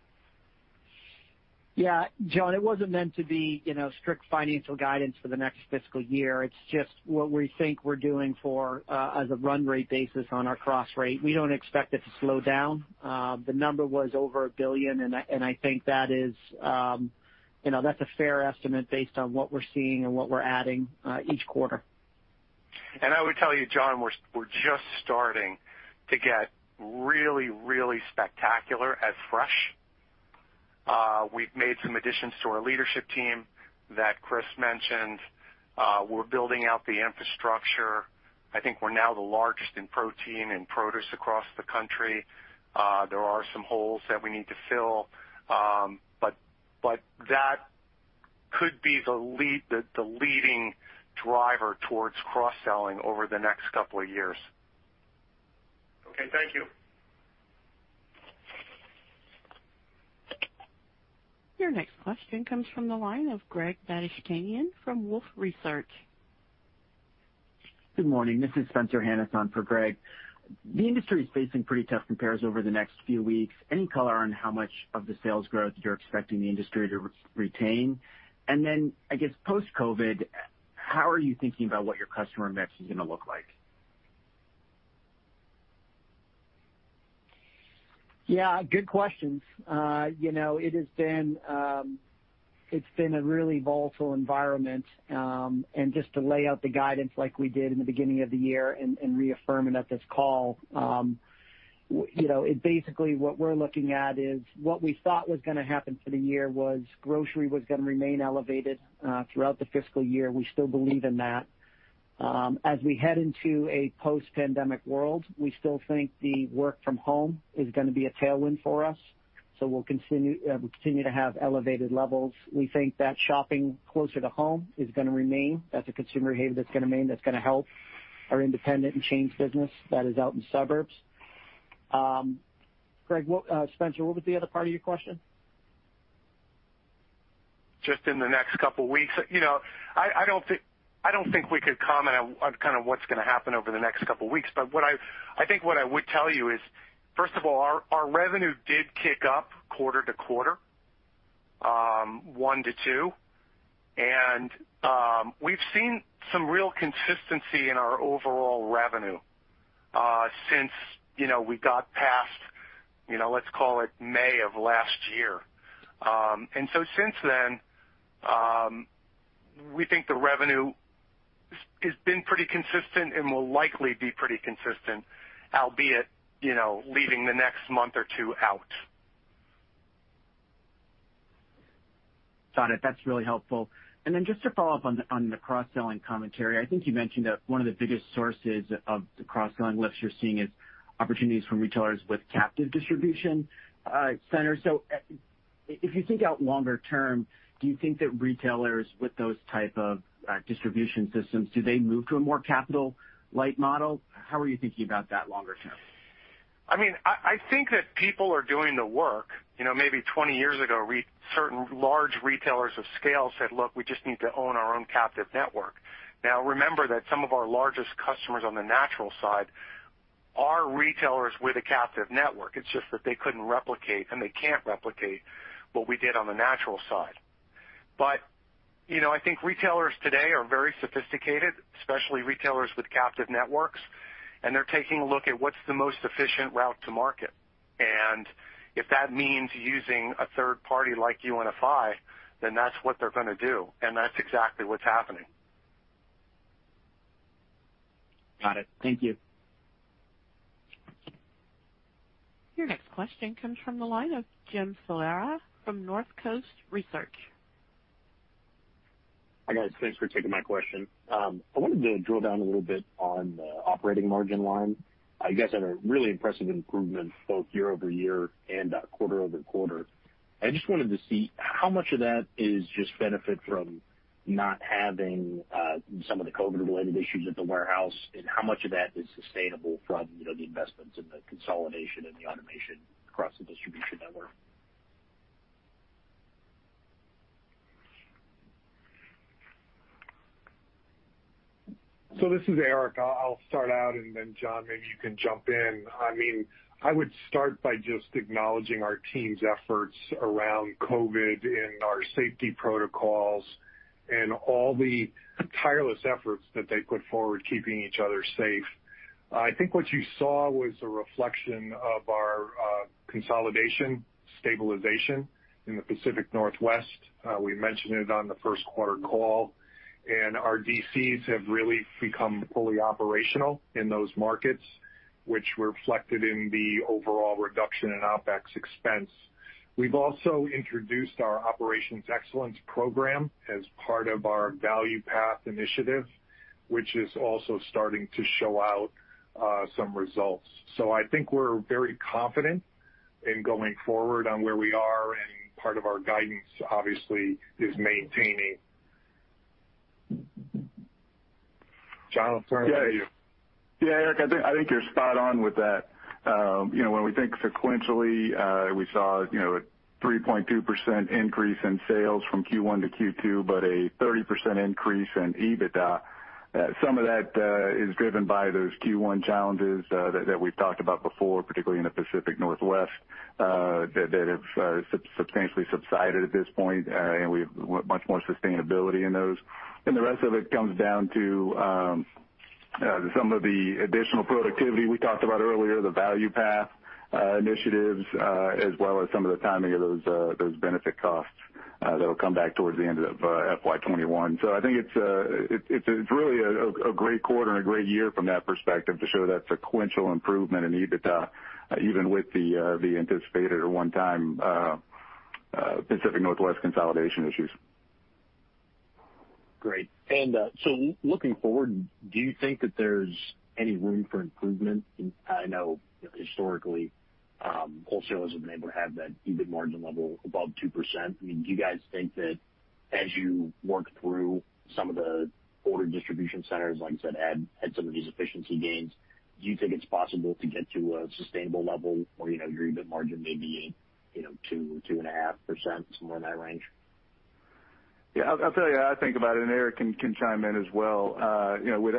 John, it wasn't meant to be strict financial guidance for the next fiscal year. It's just what we think we're doing as a run rate basis on our cross rate. We don't expect it to slow down. The number was over $1 billion. I think that's a fair estimate based on what we're seeing and what we're adding each quarter.
I would tell you, John, we're just starting to get really, really spectacular at fresh. We've made some additions to our leadership team that Chris mentioned. We're building out the infrastructure. I think we're now the largest in protein and produce across the country. There are some holes that we need to fill. That could be the leading driver towards cross-selling over the next couple of years.
Okay. Thank you.
Your next question comes from the line of Greg Badishkanian from Wolfe Research.
Good morning. This is Spencer Hanus on for Greg. The industry is facing pretty tough compares over the next few weeks. Any color on how much of the sales growth you're expecting the industry to retain? Then, I guess, post-COVID, how are you thinking about what your customer mix is going to look like?
Yeah, good questions. It's been a really volatile environment. Just to lay out the guidance like we did in the beginning of the year and reaffirm it at this call. Basically, what we're looking at is what we thought was going to happen for the year was grocery was going to remain elevated throughout the fiscal year. We still believe in that. As we head into a post-pandemic world, we still think the work from home is going to be a tailwind for us. We'll continue to have elevated levels. We think that shopping closer to home is going to remain. That's a consumer behavior that's going to remain, that's going to help our independent and chain business that is out in suburbs. Spencer, what was the other part of your question?
Just in the next couple of weeks. I don't think we could comment on what's going to happen over the next couple of weeks. I think what I would tell you is, first of all, our revenue did kick up quarter-to-quarter, one to two, and we've seen some real consistency in our overall revenue since we got past, let's call it May of last year. Since then, we think the revenue has been pretty consistent and will likely be pretty consistent, albeit, leaving the next month or two out.
Got it. That's really helpful. Just to follow up on the cross-selling commentary, I think you mentioned that one of the biggest sources of the cross-selling lifts you're seeing is opportunities from retailers with captive distribution centers. If you think out longer term, do you think that retailers with those type of distribution systems, do they move to a more capital light model? How are you thinking about that longer term?
I think that people are doing the work. Maybe 20 years ago, certain large retailers of scale said, "Look, we just need to own our own captive network." Now, remember that some of our largest customers on the natural side are retailers with a captive network. It's just that they couldn't replicate, and they can't replicate what we did on the natural side. But I think retailers today are very sophisticated, especially retailers with captive networks, and they're taking a look at what's the most efficient route to market. And if that means using a third party like UNFI, then that's what they're going to do, and that's exactly what's happening.
Got it. Thank you.
Your next question comes from the line of Jim Salera from Northcoast Research.
Hi, guys. Thanks for taking my question. I wanted to drill down a little bit on the operating margin line. You guys had a really impressive improvement both year-over-year and quarter-over-quarter. I just wanted to see how much of that is just benefit from not having some of the COVID-related issues at the warehouse, and how much of that is sustainable from the investments in the consolidation and the automation across the distribution network.
This is Eric. I'll start out, and then John, maybe you can jump in. I would start by just acknowledging our team's efforts around COVID and our safety protocols and all the tireless efforts that they put forward, keeping each other safe. I think what you saw was a reflection of our consolidation, stabilization in the Pacific Northwest. We mentioned it on the first quarter call. Our DCs have really become fully operational in those markets, which were reflected in the overall reduction in OpEx expense. We've also introduced our Operations Excellence program as part of our Value Path initiative, which is also starting to show out some results. I think we're very confident in going forward on where we are, and part of our guidance, obviously, is maintaining. John, I'll throw it to you.
Yeah, Eric, I think you're spot on with that. When we think sequentially, we saw a 3.2% increase in sales from Q1 to Q2, but a 30% increase in EBITDA. Some of that is driven by those Q1 challenges that we've talked about before, particularly in the Pacific Northwest, that have substantially subsided at this point, and we have much more sustainability in those. The rest of it comes down to some of the additional productivity we talked about earlier, the Value Path initiatives, as well as some of the timing of those benefit costs that'll come back towards the end of FY 2021. I think it's really a great quarter and a great year from that perspective to show that sequential improvement in EBITDA, even with the anticipated one-time Pacific Northwest consolidation issues.
Great. Looking forward, do you think that there's any room for improvement? I know historically, wholesalers have been able to have that EBIT margin level above 2%. Do you guys think that as you work through some of the older distribution centers, like I said, add some of these efficiency gains, do you think it's possible to get to a sustainable level where your EBIT margin may be 2%-2.5%, somewhere in that range?
Yeah. I'll tell you how I think about it, and Eric can chime in as well.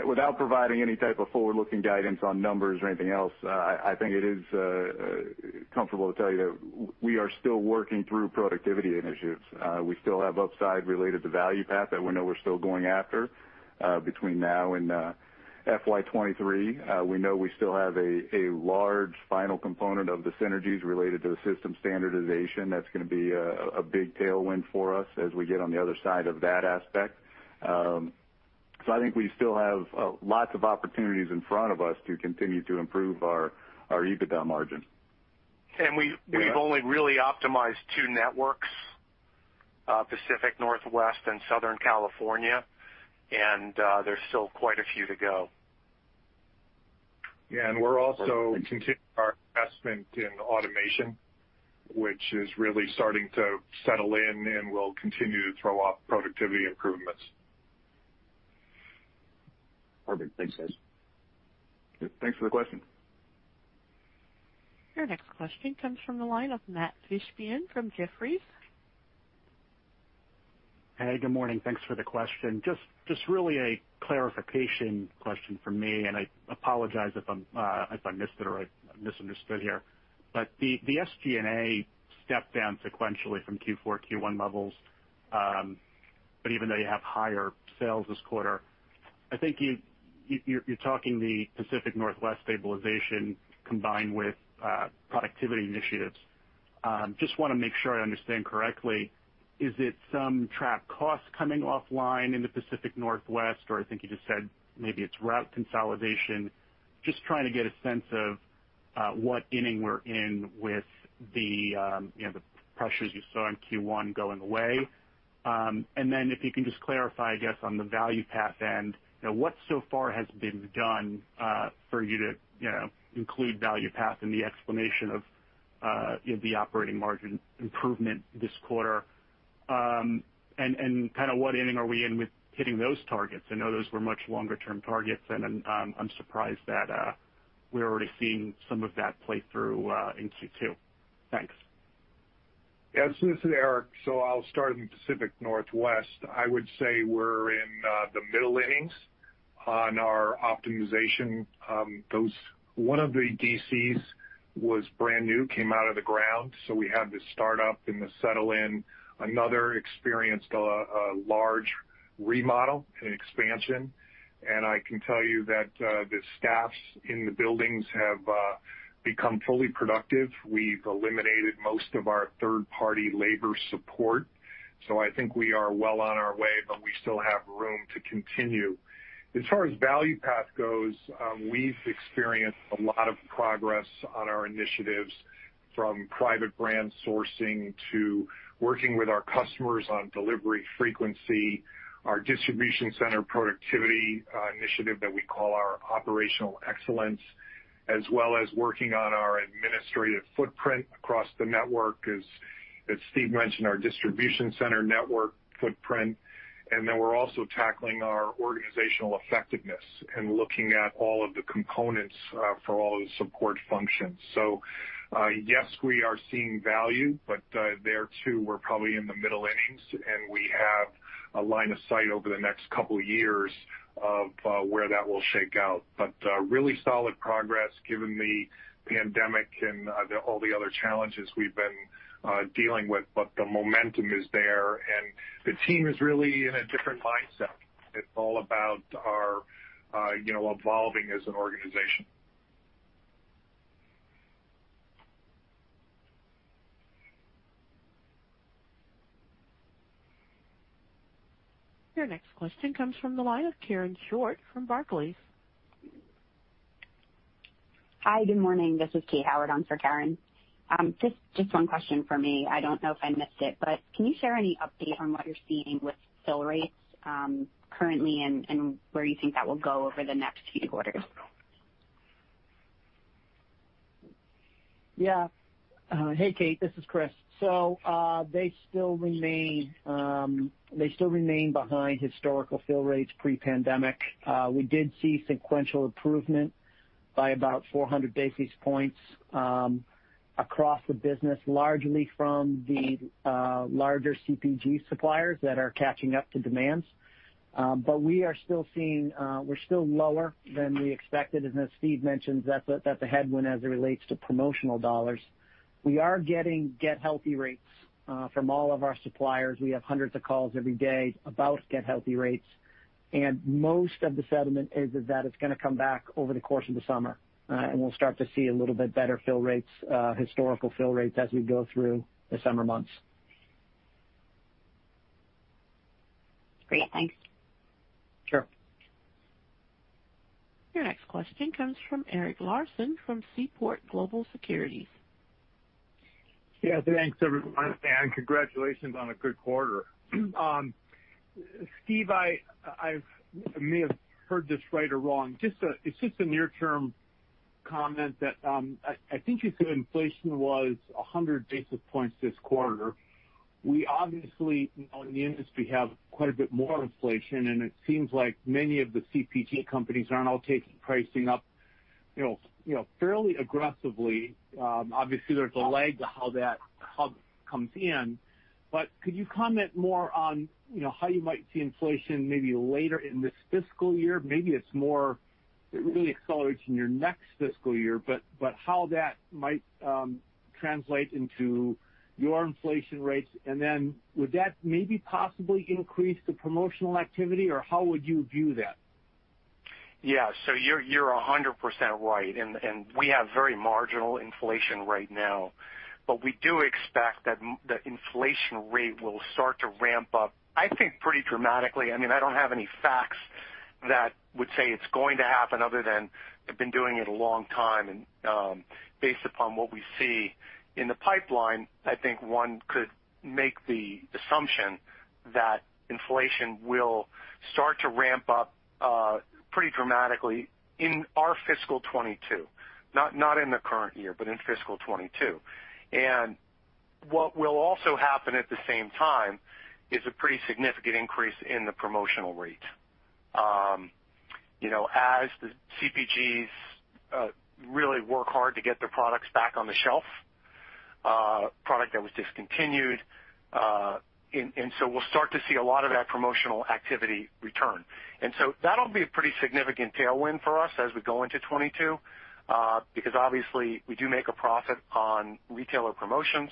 Without providing any type of forward-looking guidance on numbers or anything else, I think it is comfortable to tell you that we are still working through productivity initiatives. We still have upside related to Value Path that we know we're still going after between now and FY 2023. We know we still have a large final component of the synergies related to the system standardization. That's going to be a big tailwind for us as we get on the other side of that aspect. I think we still have lots of opportunities in front of us to continue to improve our EBITDA margin.
We've only really optimized two networks, Pacific Northwest and Southern California, and there's still quite a few to go.
We're also continuing our investment in automation, which is really starting to settle in and will continue to throw off productivity improvements.
Perfect. Thanks, guys.
Thanks for the question.
Your next question comes from the line of Matt Fishbein from Jefferies.
Hey, good morning. Thanks for the question. Just really a clarification question from me, and I apologize if I missed it or I misunderstood here. The SG&A stepped down sequentially from Q4, Q1 levels. Even though you have higher sales this quarter, I think you're talking the Pacific Northwest stabilization combined with productivity initiatives. Just want to make sure I understand correctly, is it some trapped cost coming offline in the Pacific Northwest? I think you just said maybe it's route consolidation. Just trying to get a sense of what inning we're in with the pressures you saw in Q1 going away. If you can just clarify, I guess, on the Value Path end, what so far has been done for you to include Value Path in the explanation of the operating margin improvement this quarter? What inning are we in with hitting those targets? I know those were much longer-term targets, and I'm surprised that we're already seeing some of that play through in Q2. Thanks.
Yeah. This is Eric. I'll start in the Pacific Northwest. I would say we're in the middle innings on our optimization. One of the DCs was brand new, came out of the ground. We had the start-up and the settle in. Another experienced a large remodel and expansion. I can tell you that the staffs in the buildings have become fully productive. We've eliminated most of our third-party labor support. I think we are well on our way, but we still have room to continue. As far as Value Path goes, we've experienced a lot of progress on our initiatives, from private brand sourcing to working with our customers on delivery frequency, our distribution center productivity initiative that we call our Operations Excellence, as well as working on our administrative footprint across the network, as Steve mentioned, our distribution center network footprint. We're also tackling our organizational effectiveness and looking at all of the components for all of the support functions. Yes, we are seeing value, but there, too, we're probably in the middle innings, and we have a line of sight over the next couple of years of where that will shake out. Really solid progress given the pandemic and all the other challenges we've been dealing with. The momentum is there, and the team is really in a different mindset. It's all about our evolving as an organization.
Your next question comes from the line of Karen Short from Barclays.
Hi, good morning. This is Kate Howard on for Karen. Just one question for me. I don't know if I missed it, but can you share any update on what you're seeing with fill rates currently and where you think that will go over the next few quarters?
Hey, Kate, this is Chris. They still remain behind historical fill rates pre-pandemic. We did see sequential improvement by about 400 basis points across the business, largely from the larger CPG suppliers that are catching up to demands. We're still lower than we expected. As Steve mentioned, that's a headwind as it relates to promotional dollars. We are getting get-healthy rates from all of our suppliers. We have hundreds of calls every day about get-healthy rates, most of the sentiment is that it's going to come back over the course of the summer. We'll start to see a little bit better fill rates, historical fill rates as we go through the summer months.
Great. Thanks.
Sure.
Your next question comes from Eric Larson from Seaport Global Securities.
Thanks, everyone, and congratulations on a good quarter. Steve, I may have heard this right or wrong. It's just a near-term comment that I think you said inflation was 100 basis points this quarter. We obviously, in the industry, have quite a bit more inflation, and it seems like many of the CPG companies are now taking pricing up fairly aggressively. Obviously, there's a lag to how that hub comes in. Could you comment more on how you might see inflation maybe later in this fiscal year? Maybe it really accelerates in your next fiscal year, but how that might translate into your inflation rates. Would that maybe possibly increase the promotional activity, or how would you view that?
Yeah. You're 100% right. We have very marginal inflation right now. We do expect that the inflation rate will start to ramp up, I think, pretty dramatically. I don't have any facts that would say it's going to happen other than I've been doing it a long time. Based upon what we see in the pipeline, I think one could make the assumption that inflation will start to ramp up pretty dramatically in our fiscal 2022. Not in the current year, but in fiscal 2022. What will also happen at the same time is a pretty significant increase in the promotional rate. As the CPGs really work hard to get their products back on the shelf, product that was discontinued. We'll start to see a lot of that promotional activity return. That'll be a pretty significant tailwind for us as we go into 2022, because obviously we do make a profit on retailer promotions,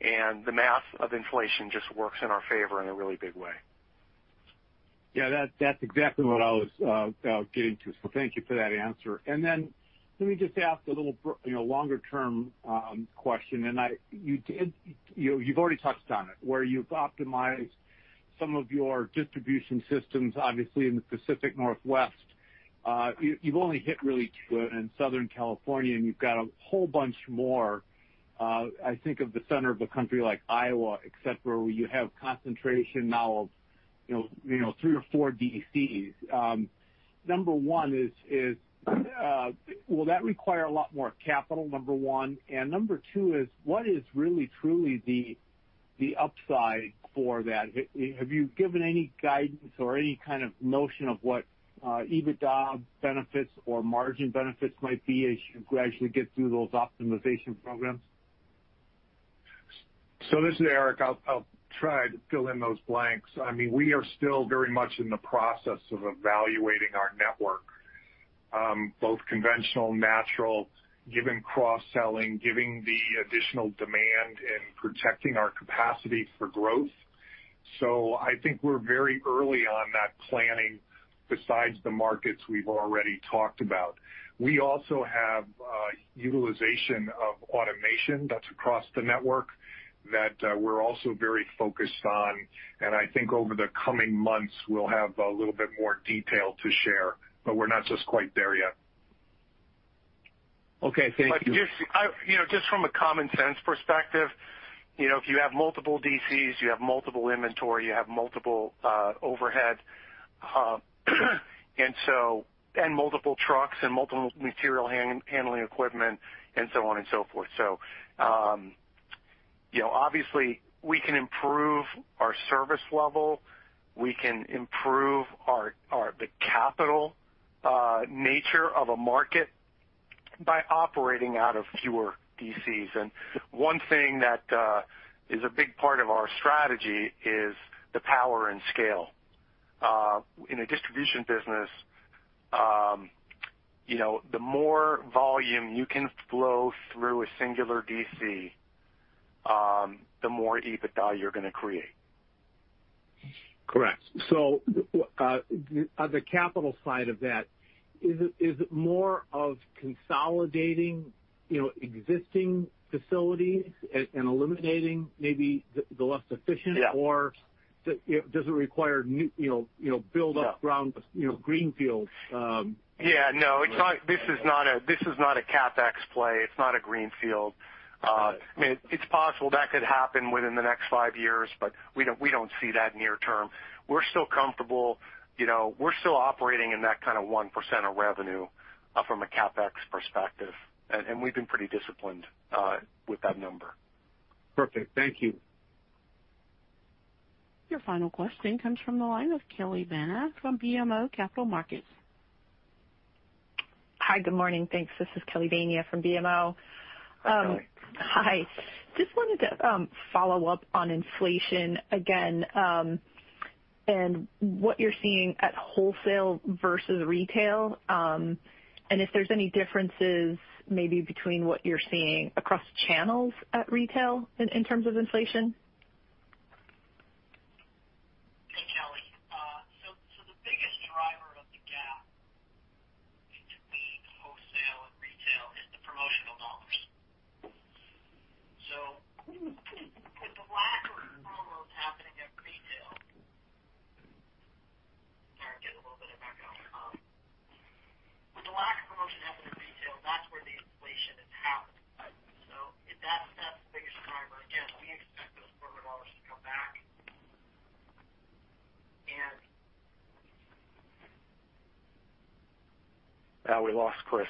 and the math of inflation just works in our favor in a really big way.
Yeah, that's exactly what I was getting to. Thank you for that answer. Let me just ask a little longer-term question. You've already touched on it, where you've optimized some of your distribution systems, obviously, in the Pacific Northwest. You've only hit really two and Southern California, and you've got a whole bunch more, I think of the center of a country like Iowa, except where you have concentration now of three or four DCs. Number one is, will that require a lot more capital, number one? Number two is what is really truly the upside for that? Have you given any guidance or any kind of notion of what EBITDA benefits or margin benefits might be as you gradually get through those optimization programs?
This is Eric. I'll try to fill in those blanks. We are still very much in the process of evaluating our network, both conventional and natural, given cross-selling, giving the additional demand, and protecting our capacity for growth. I think we're very early on that planning, besides the markets we've already talked about. We also have utilization of automation that's across the network that we're also very focused on, and I think over the coming months, we'll have a little bit more detail to share, but we're not just quite there yet.
Okay. Thank you.
Just from a common sense perspective, if you have multiple DCs, you have multiple inventory, you have multiple overhead, and multiple trucks and multiple material handling equipment and so on and so forth. Obviously we can improve our service level, we can improve the capital nature of a market by operating out of fewer DCs. One thing that is a big part of our strategy is the power and scale. In a distribution business, the more volume you can flow through a singular DC, the more EBITDA you're going to create.
Correct. On the capital side of that, is it more of consolidating existing facilities and eliminating maybe the less efficient?
Yeah.
Does it require buildup around greenfields?
Yeah. No, this is not a CapEx play. It's not a greenfield. It's possible that could happen within the next five years. We don't see that near term. We're still comfortable. We're still operating in that kind of 1% of revenue from a CapEx perspective. We've been pretty disciplined with that number.
Perfect. Thank you.
Your final question comes from the line of Kelly Bania from BMO Capital Markets.
Hi. Good morning. Thanks. This is Kelly Bania from BMO.
Hi, Kelly.
Hi. Just wanted to follow up on inflation again, and what you're seeing at wholesale versus retail, and if there's any differences maybe between what you're seeing across channels at retail in terms of inflation.
Hey, Kelly. The biggest driver of the gap between wholesale and retail is the promotional dollars. Sorry, I get a little bit of echo. With the lack of promotion happening at retail, that's where the inflation has happened. That's the biggest driver. Again, we expect those promo dollars to come back and.
We lost Chris.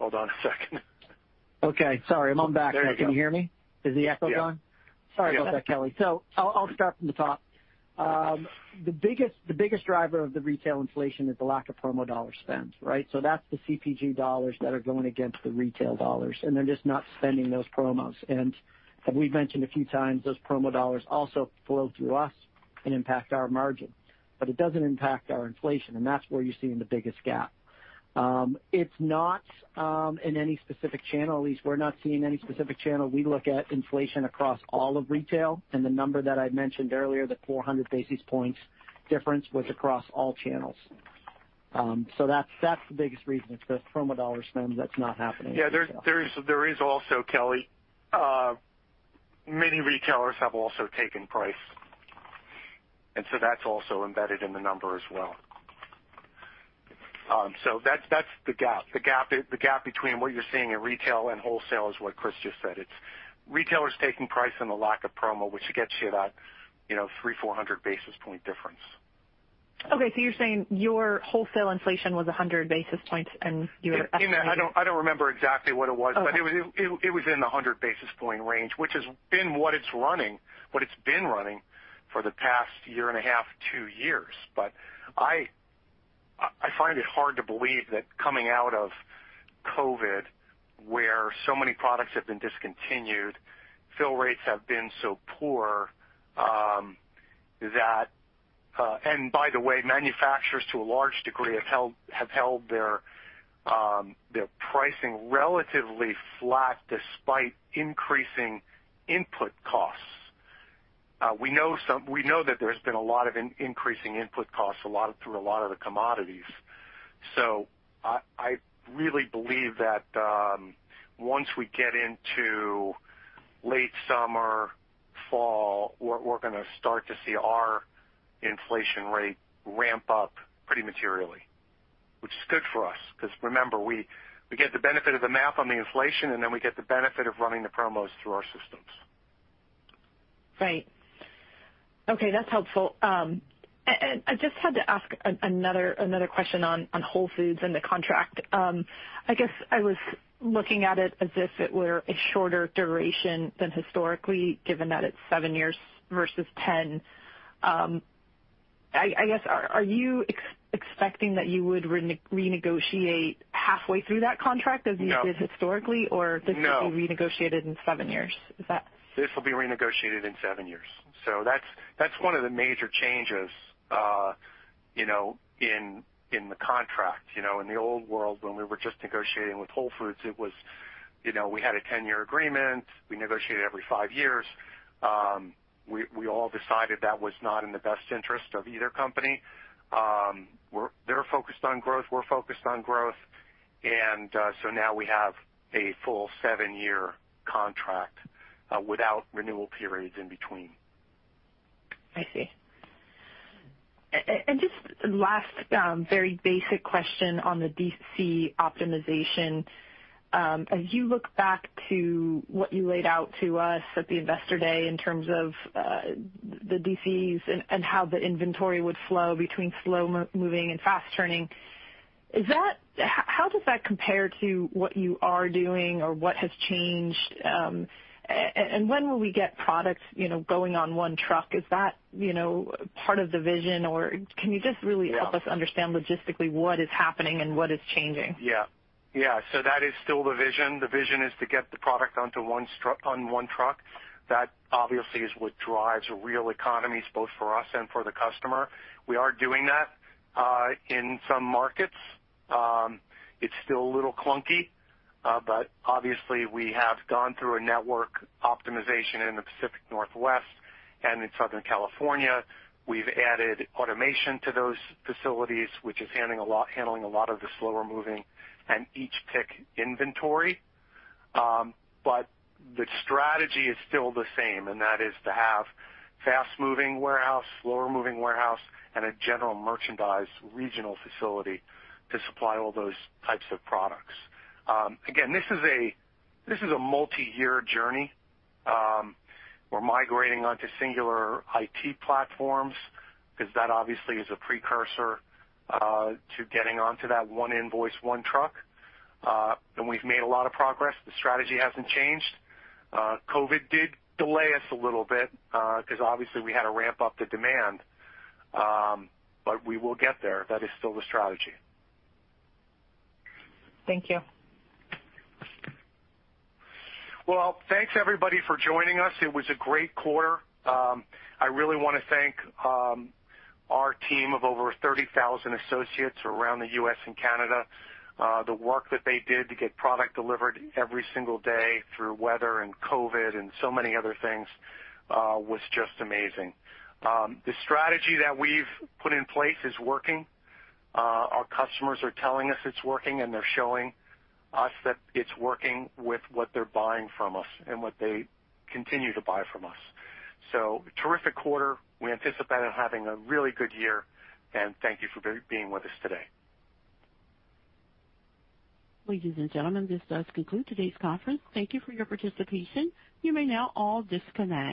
Hold on a second.
Okay. Sorry. I'm on back now.
There you go.
Can you hear me? Is the echo gone?
Yeah.
Sorry about that, Kelly. I'll start from the top. The biggest driver of the retail inflation is the lack of promo dollar spend. That's the CPG dollars that are going against the retail dollars, and they're just not spending those promos. As we've mentioned a few times, those promo dollars also flow through us and impact our margin, but it doesn't impact our inflation, and that's where you're seeing the biggest gap. It's not in any specific channel. At least we're not seeing any specific channel. We look at inflation across all of retail, and the number that I mentioned earlier, the 400 basis points difference, was across all channels. That's the biggest reason. It's the promo dollar spend that's not happening.
Yeah. There is also, Kelly, many retailers have also taken price, that's also embedded in the number as well. That's the gap. The gap between what you're seeing in retail and wholesale is what Chris just said. It's retailers taking price and the lack of promo, which gets you that 300-400 basis point difference.
Okay, you're saying your wholesale inflation was 100 basis points and you were estimating.
I don't remember exactly what it was.
Okay.
It was in the 100 basis point range, which has been what it's running for the past year and a half, two years. I find it hard to believe that coming out of COVID where so many products have been discontinued, fill rates have been so poor, and by the way, manufacturers, to a large degree, have held their pricing relatively flat despite increasing input costs. We know that there's been a lot of increasing input costs through a lot of the commodities. I really believe that once we get into late summer, fall, we're going to start to see our inflation rate ramp up pretty materially. Which is good for us, because remember, we get the benefit of the math on the inflation, and then we get the benefit of running the promos through our systems.
Right. Okay, that's helpful. I just had to ask another question on Whole Foods and the contract. I guess I was looking at it as if it were a shorter duration than historically, given that it's seven years versus 10. I guess, are you expecting that you would renegotiate halfway through that contract?
No.
As you did historically.
No.
This will be renegotiated in seven years?
This will be renegotiated in seven years. That's one of the major changes in the contract. In the old world, when we were just negotiating with Whole Foods, we had a 10-year agreement. We negotiated every five years. We all decided that was not in the best interest of either company. They're focused on growth, we're focused on growth, now we have a full seven-year contract without renewal periods in between.
I see. Just last very basic question on the DC optimization. As you look back to what you laid out to us at the Investor Day in terms of the DCs and how the inventory would flow between slow-moving and fast-turning, how does that compare to what you are doing or what has changed? When will we get products going on one truck? Is that part of the vision, or can you just really help us understand logistically what is happening and what is changing?
Yeah. That is still the vision. The vision is to get the product onto one truck. That obviously is what drives real economies, both for us and for the customer. We are doing that in some markets. It's still a little clunky. Obviously we have gone through a network optimization in the Pacific Northwest and in Southern California. We've added automation to those facilities, which is handling a lot of the slower moving and each-pick inventory. The strategy is still the same, and that is to have fast-moving warehouse, slower-moving warehouse, and a general merchandise regional facility to supply all those types of products. Again, this is a multi-year journey. We're migrating onto singular IT platforms because that obviously is a precursor to getting onto that one invoice, one truck. We've made a lot of progress. The strategy hasn't changed. COVID did delay us a little bit because obviously we had to ramp up the demand. We will get there. That is still the strategy.
Thank you.
Thanks everybody for joining us. It was a great quarter. I really want to thank our team of over 30,000 associates around the U.S. and Canada. The work that they did to get product delivered every single day through weather and COVID and so many other things was just amazing. The strategy that we've put in place is working. Our customers are telling us it's working, and they're showing us that it's working with what they're buying from us and what they continue to buy from us. Terrific quarter. We anticipate on having a really good year, and thank you for being with us today.
Ladies and gentlemen, this does conclude today's conference. Thank you for your participation. You may now all disconnect.